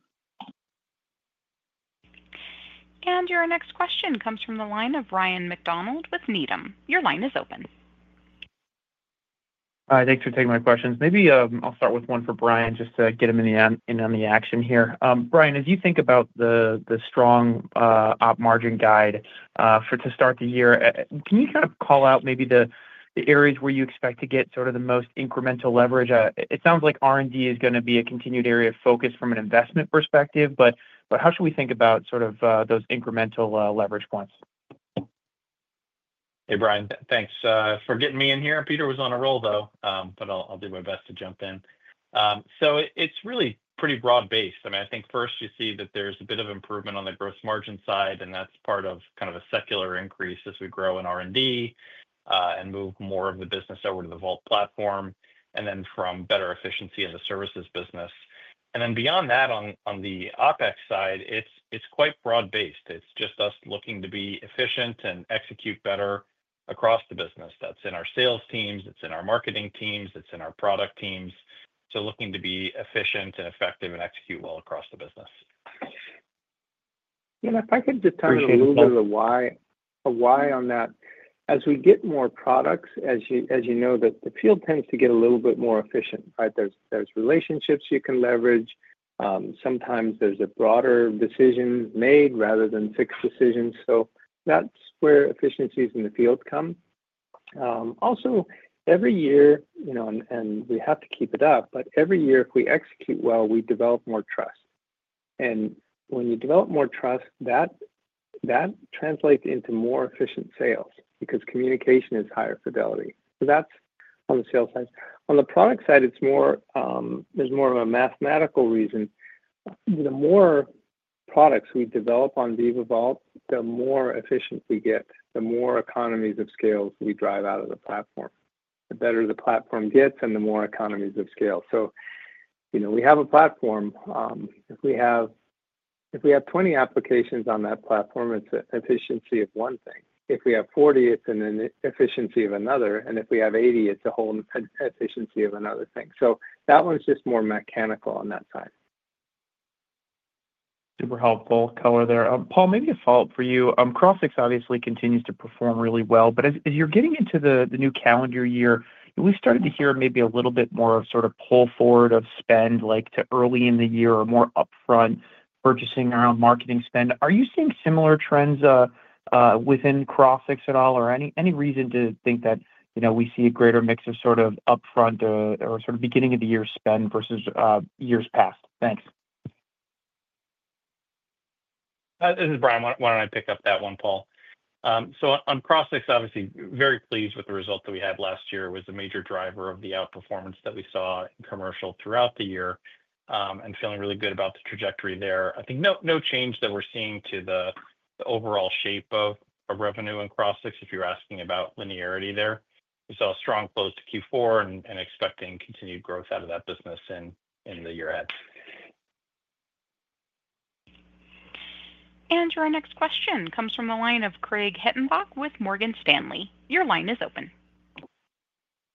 Your next question comes from the line of Ryan McDonald with Needham. Your line is open. Hi. Thanks for taking my questions. Maybe I'll start with one for Brian just to get him in on the action here. Brian, as you think about the strong op margin guide to start the year, can you kind of call out maybe the areas where you expect to get sort of the most incremental leverage? It sounds like R&D is going to be a continued area of focus from an investment perspective, but how should we think about sort of those incremental leverage points? Hey, Ryan. Thanks for getting me in here. Peter was on a roll, though, but I'll do my best to jump in. So it's really pretty broad-based. I mean, I think first you see that there's a bit of improvement on the gross margin side, and that's part of kind of a secular increase as we grow in R&D and move more of the business over to the Vault Platform and then from better efficiency in the services business. And then beyond that, on the OpEx side, it's quite broad-based. It's just us looking to be efficient and execute better across the business. That's in our sales teams. It's in our marketing teams. It's in our product teams. So looking to be efficient and effective and execute well across the business. Yeah. If I could just touch a little bit of a why on that. As we get more products, as you know, the field tends to get a little bit more efficient, right? There's relationships you can leverage. Sometimes there's a broader decision made rather than fixed decisions. So that's where efficiencies in the field come. Also, every year, and we have to keep it up, but every year, if we execute well, we develop more trust. And when you develop more trust, that translates into more efficient sales because communication is higher fidelity. So that's on the sales side. On the product side, there's more of a mathematical reason. The more products we develop on Veeva Vault, the more efficient we get, the more economies of scale we drive out of the platform, the better the platform gets, and the more economies of scale. So we have a platform. If we have 20 applications on that platform, it's an efficiency of one thing. If we have 40, it's an efficiency of another. And if we have 80, it's a whole efficiency of another thing. So that one's just more mechanical on that side. Super helpful color there. Paul, maybe a follow-up for you. Crossix obviously continues to perform really well, but as you're getting into the new calendar year, we started to hear maybe a little bit more of sort of pull forward of spend to early in the year or more upfront purchasing around marketing spend. Are you seeing similar trends within Crossix at all or any reason to think that we see a greater mix of sort of upfront or sort of beginning of the year spend versus years past? Thanks. This is Brian. Why don't I pick up that one, Paul? So on Crossix, obviously, very pleased with the result that we had last year was a major driver of the outperformance that we saw in commercial throughout the year and feeling really good about the trajectory there. I think no change that we're seeing to the overall shape of revenue in Crossix, if you're asking about linearity there. We saw a strong close to Q4 and expecting continued growth out of that business in the year ahead. Your next question comes from the line of Craig Hettenbach with Morgan Stanley. Your line is open.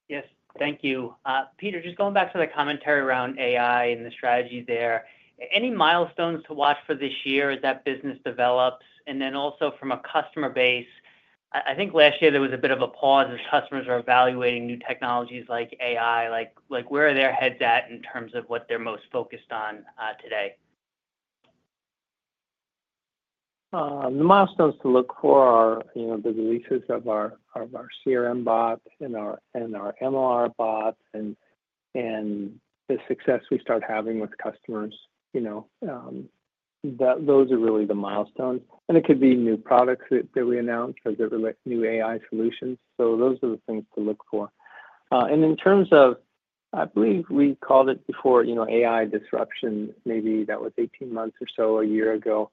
Yes. Thank you. Peter, just going back to the commentary around AI and the strategy there, any milestones to watch for this year as that business develops? And then also from a customer base, I think last year there was a bit of a pause as customers are evaluating new technologies like AI. Where are their heads at in terms of what they're most focused on today? The milestones to look for are the releases of our CRM bot and our MLR bot and the success we start having with customers. Those are really the milestones, and it could be new products that we announce as it relates to new AI solutions, so those are the things to look for, and in terms of, I believe we called it before AI disruption, maybe that was 18 months or so a year ago.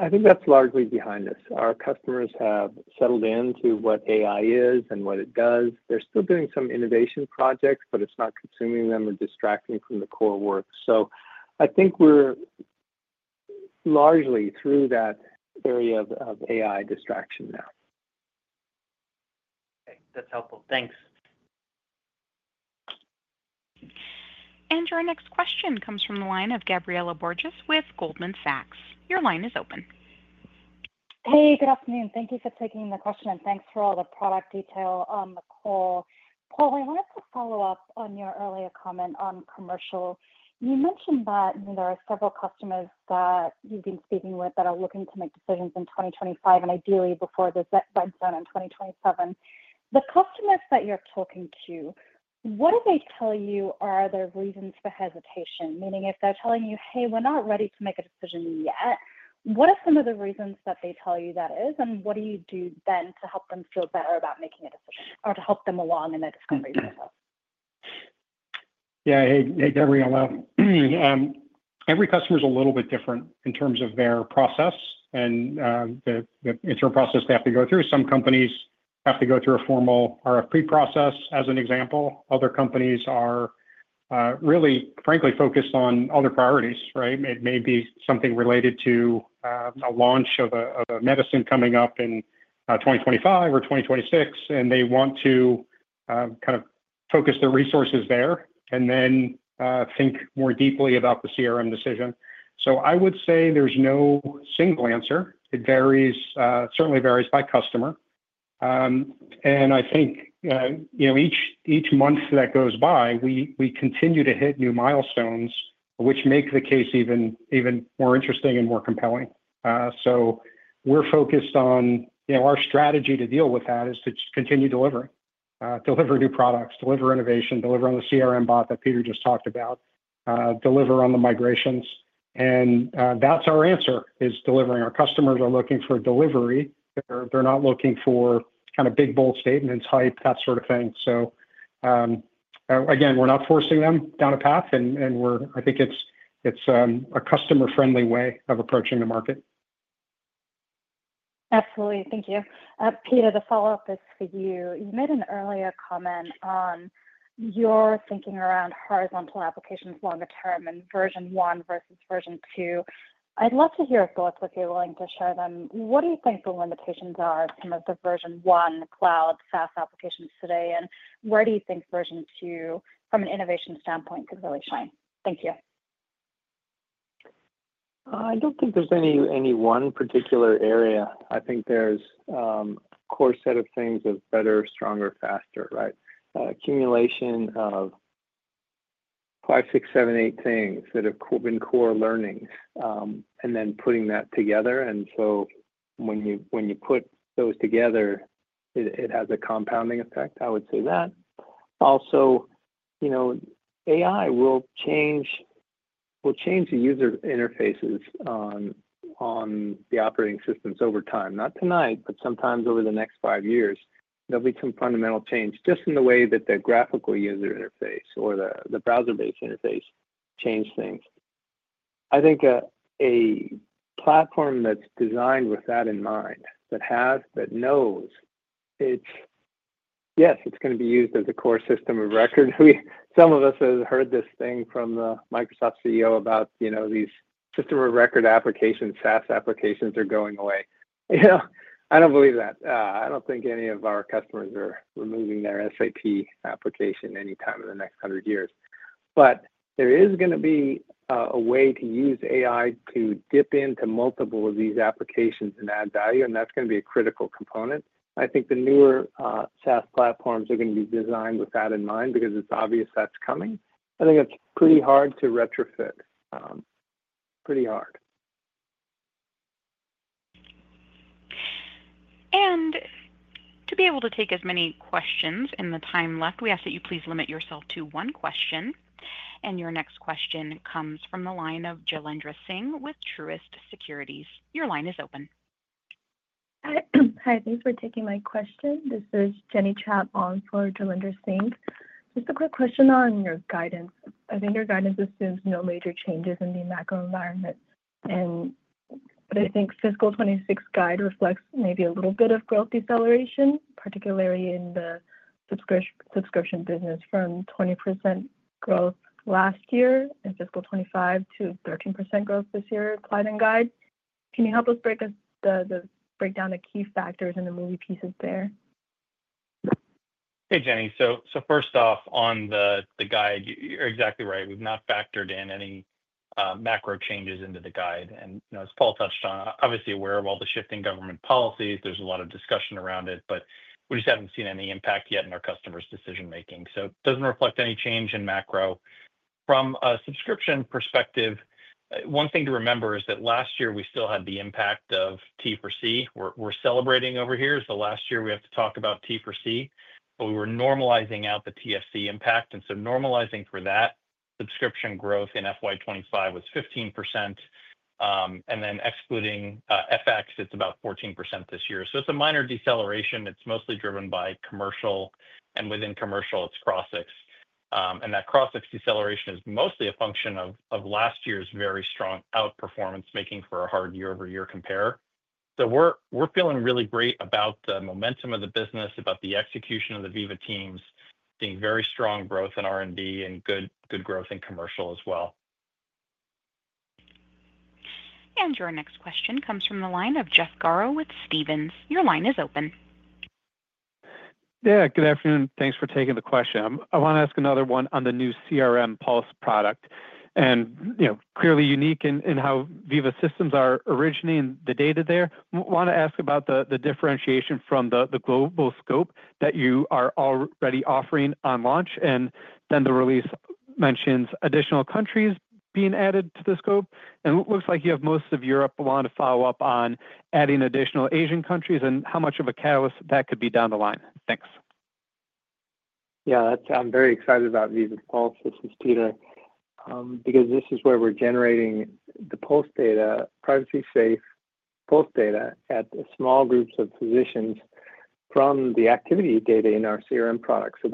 I think that's largely behind us. Our customers have settled into what AI is and what it does. They're still doing some innovation projects, but it's not consuming them or distracting from the core work, so I think we're largely through that area of AI distraction now. Okay. That's helpful. Thanks. Your next question comes from the line of Gabriela Borges with Goldman Sachs. Your line is open. Hey, good afternoon. Thank you for taking the question, and thanks for all the product detail, Paul. Paul, I wanted to follow up on your earlier comment on commercial. You mentioned that there are several customers that you've been speaking with that are looking to make decisions in 2025 and ideally before the ZEP bugs out in 2027. The customers that you're talking to, what do they tell you are their reasons for hesitation? Meaning, if they're telling you, "Hey, we're not ready to make a decision yet," what are some of the reasons that they tell you that is, and what do you do then to help them feel better about making a decision or to help them along in that discovery process? Yeah. Hey, Gabriela. Every customer is a little bit different in terms of their process and the internal process they have to go through. Some companies have to go through a formal RFP process, as an example. Other companies are really, frankly, focused on other priorities, right? It may be something related to a launch of a medicine coming up in 2025 or 2026, and they want to kind of focus their resources there and then think more deeply about the CRM decision. So I would say there's no single answer. It certainly varies by customer, and I think each month that goes by, we continue to hit new milestones, which make the case even more interesting and more compelling. So, we're focused on our strategy to deal with that is to continue delivering new products, deliver innovation, deliver on the CRM bot that Peter just talked about, deliver on the migrations. And that's our answer is delivering. Our customers are looking for delivery. They're not looking for kind of big bold statements, hype, that sort of thing. So again, we're not forcing them down a path, and I think it's a customer-friendly way of approaching the market. Absolutely. Thank you. Peter, the follow-up is for you. You made an earlier comment on your thinking around horizontal applications longer term and Version one versus Version two. I'd love to hear both if you're willing to share them. What do you think the limitations are of some of the version one cloud SaaS applications today, and where do you think Version two, from an innovation standpoint, could really shine? Thank you. I don't think there's any one particular area. I think there's a core set of things of better, stronger, faster, right? Accumulation of five, six, seven, eight things that have been core learnings and then putting that together. And so when you put those together, it has a compounding effect, I would say that. Also, AI will change the user interfaces on the operating systems over time, not tonight, but sometimes over the next five years. There'll be some fundamental change just in the way that the graphical user interface or the browser-based interface changes things. I think a platform that's designed with that in mind, that knows, yes, it's going to be used as a core system of record. Some of us have heard this thing from the Microsoft CEO about these system of record applications, SaaS applications are going away. I don't believe that. I don't think any of our customers are removing their SAP application anytime in the next 100 years. But there is going to be a way to use AI to dip into multiple of these applications and add value, and that's going to be a critical component. I think the newer SaaS platforms are going to be designed with that in mind because it's obvious that's coming. I think it's pretty hard to retrofit. Pretty hard. To be able to take as many questions in the time left, we ask that you please limit yourself to one question. Your next question comes from the line of Jailendra Singh with Truist Securities. Your line is open. Hi. Thanks for taking my question. This is Jenny Cao on for Jailendra Singh. Just a quick question on your guidance. I think your guidance assumes no major changes in the macro environment, but I think fiscal 26 guide reflects maybe a little bit of growth deceleration, particularly in the subscription business from 20% growth last year in fiscal 25 to 13% growth this year applied in guide. Can you help us break down the key factors and the moving pieces there? Hey, Jenny. So first off, on the guide, you're exactly right. We've not factored in any macro changes into the guide, and as Paul touched on, obviously aware of all the shifting government policies. There's a lot of discussion around it, but we just haven't seen any impact yet in our customers' decision-making. So it doesn't reflect any change in macro. From a subscription perspective, one thing to remember is that last year we still had the impact of T for C. We're celebrating over here as the last year we have to talk about T for C, but we were normalizing out the TSE impact, and so normalizing for that, subscription growth in FY25 was 15%. And then excluding FX, it's about 14% this year. So it's a minor deceleration. It's mostly driven by commercial, and within commercial, it's Crossix. And that Crossix deceleration is mostly a function of last year's very strong outperformance, making for a hard year-over-year compare. So we're feeling really great about the momentum of the business, about the execution of the Veeva teams, being very strong growth in R&D and good growth in commercial as well. Your next question comes from the line of Jeff Garro with Stephens. Your line is open. Yeah. Good afternoon. Thanks for taking the question. I want to ask another one on the new CRM pulse product. And clearly unique in how Veeva Systems are originating the data there. I want to ask about the differentiation from the global scope that you are already offering on launch. And then the release mentions additional countries being added to the scope. And it looks like you have most of Europe wanting to follow up on adding additional Asian countries and how much of a catalyst that could be down the line. Thanks. Yeah. I'm very excited about Veeva Pulse. This is Peter because this is where we're generating the Pulse data, privacy-safe Pulse data at small groups of physicians from the activity data in our CRM product. So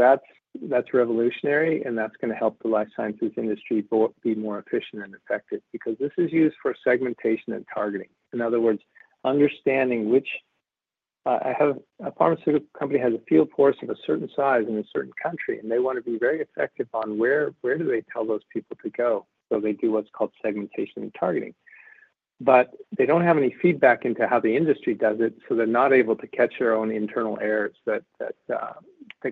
that's revolutionary, and that's going to help the life sciences industry be more efficient and effective because this is used for segmentation and targeting. In other words, understanding which a pharmaceutical company has a field force of a certain size in a certain country, and they want to be very effective on where do they tell those people to go. So they do what's called segmentation and targeting. But they don't have any feedback into how the industry does it, so they're not able to catch their own internal errors that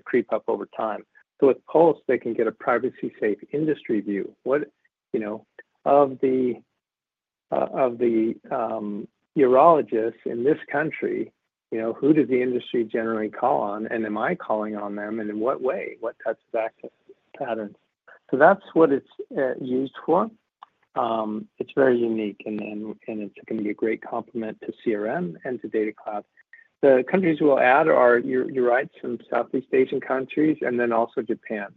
creep up over time. So with Pulse, they can get a privacy-safe industry view. Of the urologists in this country, who does the industry generally call on? And am I calling on them? And in what way? What types of access patterns? So that's what it's used for. It's very unique, and it's going to be a great complement to CRM and to Data Cloud. The countries we'll add are you're right, some Southeast Asian countries, and then also Japan.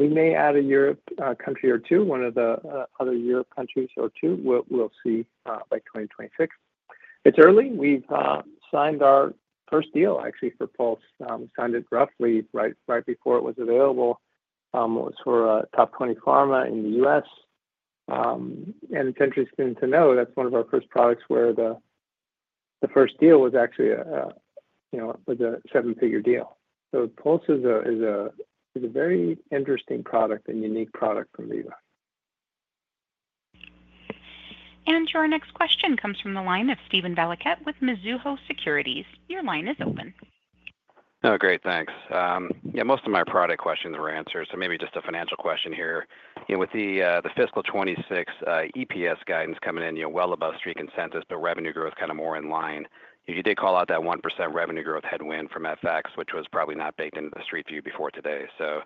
We may add a Europe country or two, one of the other Europe countries or two. We'll see by 2026. It's early. We've signed our first deal, actually, for Pulse. We signed it roughly right before it was available. It was for a top 20 pharma in the U.S. And it's interesting to know that's one of our first products where the first deal was actually a seven-figure deal. Pulse is a very interesting product and unique product from Veeva. And your next question comes from the line of Steven Valiquette with Mizuho Securities. Your line is open. Oh, great. Thanks. Yeah. Most of my product questions were answered. So maybe just a financial question here. With the fiscal 2026 EPS guidance coming in well above Street consensus, but revenue growth kind of more in line. You did call out that 1% revenue growth headwind from FX, which was probably not baked into the Street view before today. So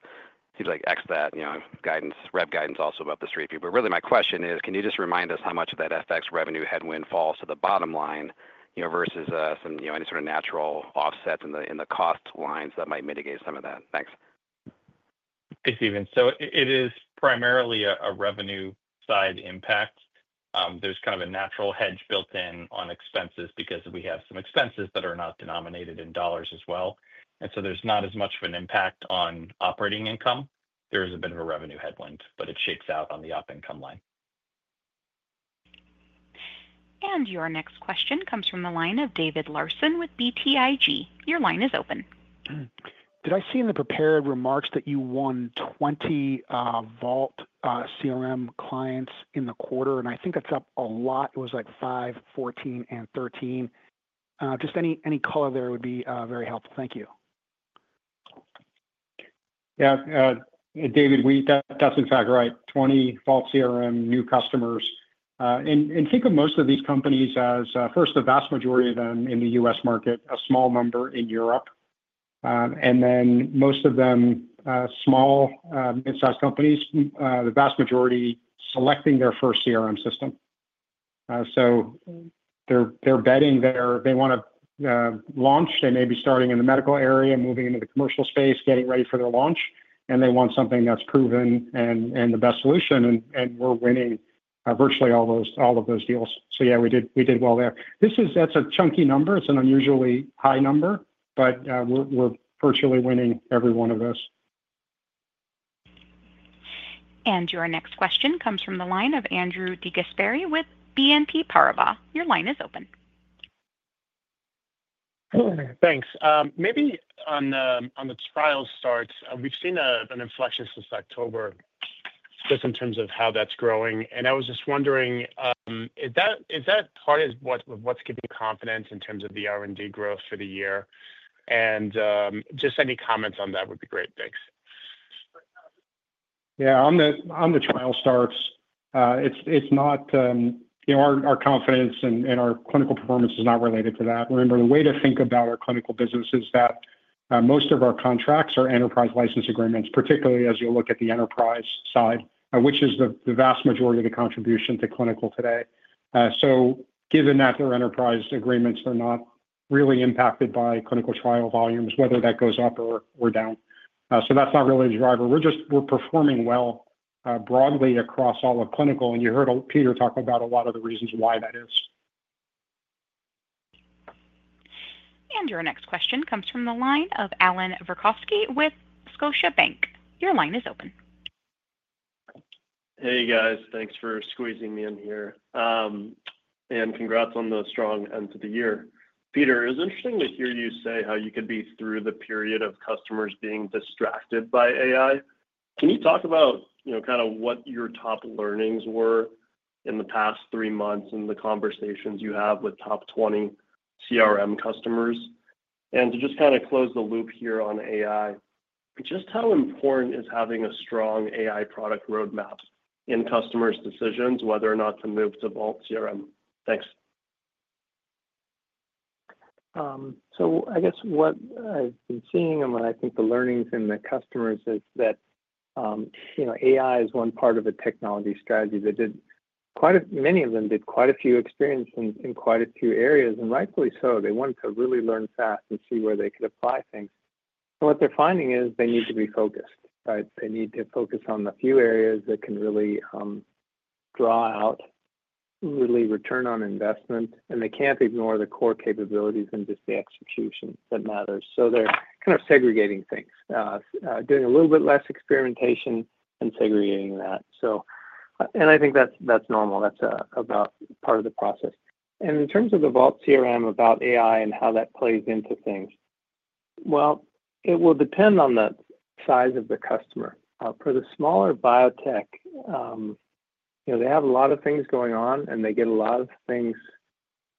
it seems like ex-FX that guidance, rev guidance also above the Street view. But really, my question is, can you just remind us how much of that FX revenue headwind falls to the bottom line versus any sort of natural offsets in the cost lines that might mitigate some of that? Thanks. Hey, Steven. So it is primarily a revenue-side impact. There's kind of a natural hedge built-in on expenses because we have some expenses that are not denominated in dollars as well. And so there's not as much of an impact on operating income. There is a bit of a revenue headwind, but it shakes out on the operating income line. Your next question comes from the line of David Larsen with BTIG. Your line is open. Did I see in the prepared remarks that you won 20 Vault CRM clients in the quarter? And I think that's up a lot. It was like 5, 14, and 13. Just any color there would be very helpful. Thank you. Yeah. David, that's in fact right. 20 Vault CRM new customers. And think of most of these companies as, first, the vast majority of them in the US market, a small number in Europe, and then most of them small, mid-sized companies, the vast majority selecting their first CRM system. So they're betting there. They want to launch. They may be starting in the medical area, moving into the commercial space, getting ready for their launch. And they want something that's proven and the best solution. And we're winning virtually all of those deals. So yeah, we did well there. That's a chunky number. It's an unusually high number, but we're virtually winning every one of those. And your next question comes from the line of Andrew DeGasperi with BNP Paribas. Your line is open. Thanks. Maybe on the trial starts, we've seen an inflection since October, just in terms of how that's growing. And I was just wondering, is that part of what's giving confidence in terms of the R&D growth for the year? And just any comments on that would be great. Thanks. Yeah. On the trial starts, it's not our confidence in our clinical performance is not related to that. Remember, the way to think about our clinical business is that most of our contracts are enterprise license agreements, particularly as you look at the enterprise side, which is the vast majority of the contribution to clinical today. So given that they're enterprise agreements, they're not really impacted by clinical trial volumes, whether that goes up or down. So that's not really the driver. We're performing well broadly across all of clinical, and you heard Peter talk about a lot of the reasons why that is. Your next question comes from the line of Allan Verkhovski with Scotiabank. Your line is open. Hey, guys. Thanks for squeezing me in here, and congrats on the strong end of the year. Peter, it was interesting to hear you say how you could be through the period of customers being distracted by AI. Can you talk about kind of what your top learnings were in the past three months and the conversations you have with top 20 CRM customers, and to just kind of close the loop here on AI, just how important is having a strong AI product roadmap in customers' decisions, whether or not to move to Vault CRM? Thanks. I guess what I've been seeing and what I think the learnings in the customers is that AI is one part of a technology strategy that many of them did quite a few experiences in quite a few areas. And rightfully so. They wanted to really learn fast and see where they could apply things. And what they're finding is they need to be focused, right? They need to focus on the few areas that can really draw out, really return on investment. And they can't ignore the core capabilities and just the execution that matters. So they're kind of segregating things, doing a little bit less experimentation and segregating that. And I think that's normal. That's part of the process. And in terms of the Vault CRM, about AI and how that plays into things, well, it will depend on the size of the customer. For the smaller biotech, they have a lot of things going on, and they get a lot of things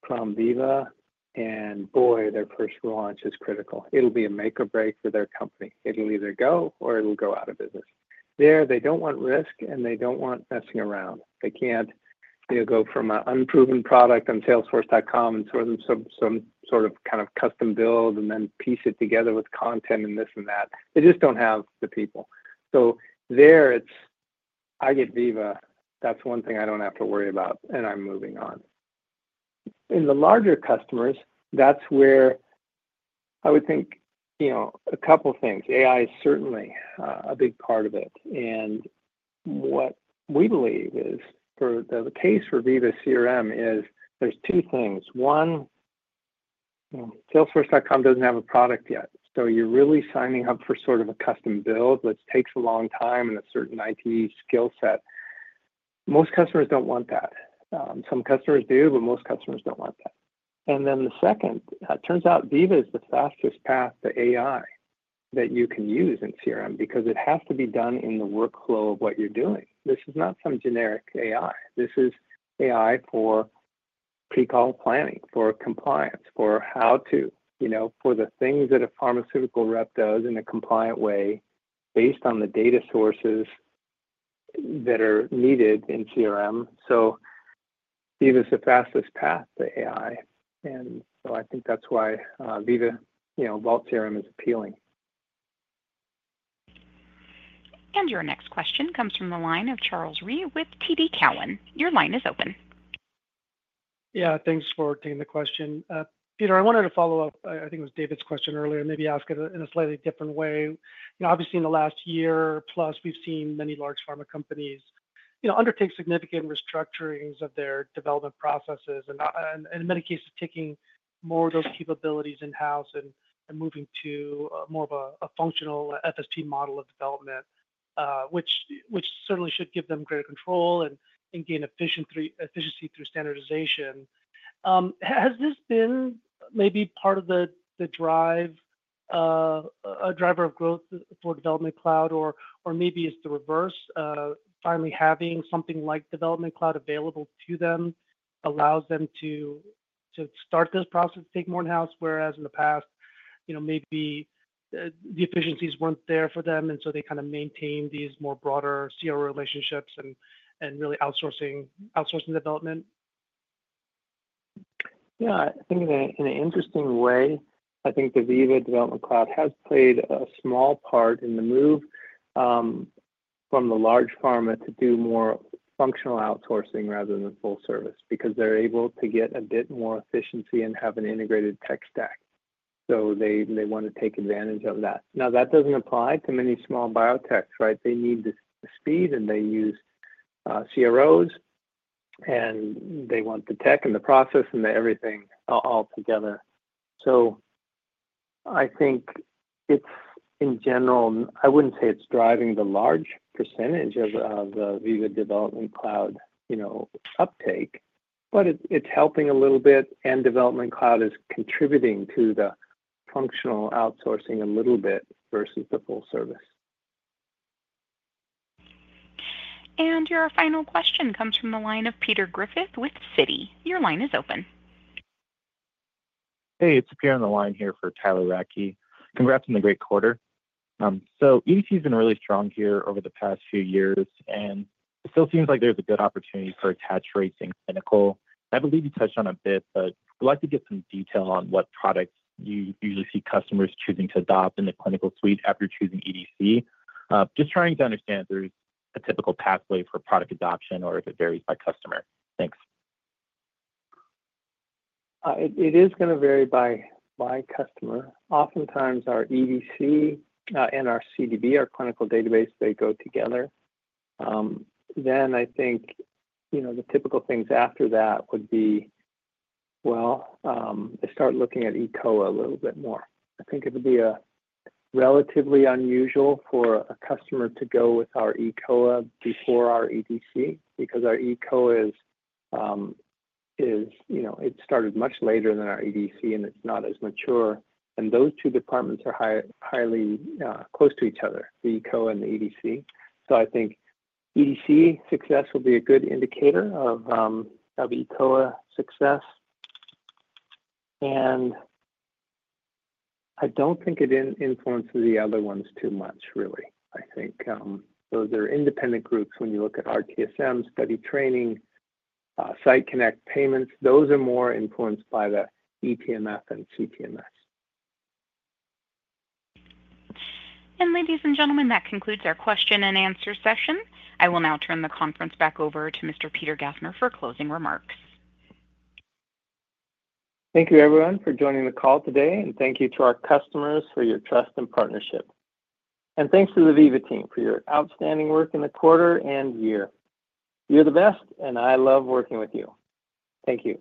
from Veeva. And boy, their first launch is critical. It'll be a make or break for their company. It'll either go or it'll go out of business. There, they don't want risk, and they don't want messing around. They can't go from an unproven product on Salesforce.com and sort of some sort of kind of custom build and then piece it together with content and this and that. They just don't have the people. So there, it's, "I get Veeva. That's one thing I don't have to worry about, and I'm moving on." In the larger customers, that's where I would think a couple of things. AI is certainly a big part of it, and what we believe is for the case for Veeva CRM is there's two things. One, Salesforce.com doesn't have a product yet. So you're really signing up for sort of a custom build which takes a long time and a certain IT skill set. Most customers don't want that. Some customers do, but most customers don't want that. And then the second, it turns out Veeva is the fastest path to AI that you can use in CRM because it has to be done in the workflow of what you're doing. This is not some generic AI. This is AI for pre-call planning, for compliance, for how to, for the things that a pharmaceutical rep does in a compliant way based on the data sources that are needed in CRM. So Veeva is the fastest path to AI. And so I think that's why Veeva Vault CRM is appealing. Your next question comes from the line of Charles Rhyee with TD Cowen. Your line is open. Yeah. Thanks for taking the question. Peter, I wanted to follow up. I think it was David's question earlier. Maybe ask it in a slightly different way. Obviously, in the last year plus, we've seen many large pharma companies undertake significant restructurings of their development processes and, in many cases, taking more of those capabilities in-house and moving to more of a functional FSP model of development, which certainly should give them greater control and gain efficiency through standardization. Has this been maybe part of the driver of growth for development cloud, or maybe it's the reverse? Finally, having something like development cloud available to them allows them to start this process, take more in-house, whereas in the past, maybe the efficiencies weren't there for them, and so they kind of maintain these more broader CRO relationships and really outsourcing development? Yeah. I think in an interesting way, I think the Veeva Development Cloud has played a small part in the move from the large pharma to do more functional outsourcing rather than full service because they're able to get a bit more efficiency and have an integrated tech stack. So they want to take advantage of that. Now, that doesn't apply to many small biotechs, right? They need the speed, and they use CROs, and they want the tech and the process and everything all together. So I think it's, in general, I wouldn't say it's driving the large percentage of the Veeva Development Cloud uptake, but it's helping a little bit, and Development Cloud is contributing to the functional outsourcing a little bit versus the full service. And your final question comes from the line of Peter Griffith with Citi. Your line is open. Hey, it's Peter on the line here for Tyler Radke. Congrats on the great quarter, so EDC has been really strong here over the past few years, and it still seems like there's a good opportunity for attached rates in clinical. I believe you touched on it a bit, but I'd like to get some detail on what products you usually see customers choosing to adopt in the clinical suite after choosing EDC. Just trying to understand if there's a typical pathway for product adoption or if it varies by customer. Thanks. It is going to vary by customer. Oftentimes, our EDC and our CDB, our clinical database, they go together. Then I think the typical things after that would be, well, they start looking at eCOA a little bit more. I think it would be relatively unusual for a customer to go with our eCOA before our EDC because our eCOA is it started much later than our EDC, and it's not as mature, and those two departments are highly close to each other, the eCOA and the EDC. So I think EDC success will be a good indicator of eCOA success. I don't think it influences the other ones too much, really. I think those are independent groups. When you look at RTSM, study training, Site Connect payments, those are more influenced by the eTMF and CTMS. Ladies and gentlemen, that concludes our question and answer session. I will now turn the conference back over to Mr. Peter Gassner for closing remarks. Thank you, everyone, for joining the call today. And thank you to our customers for your trust and partnership. And thanks to the Veeva team for your outstanding work in the quarter and year. You're the best, and I love working with you. Thank you.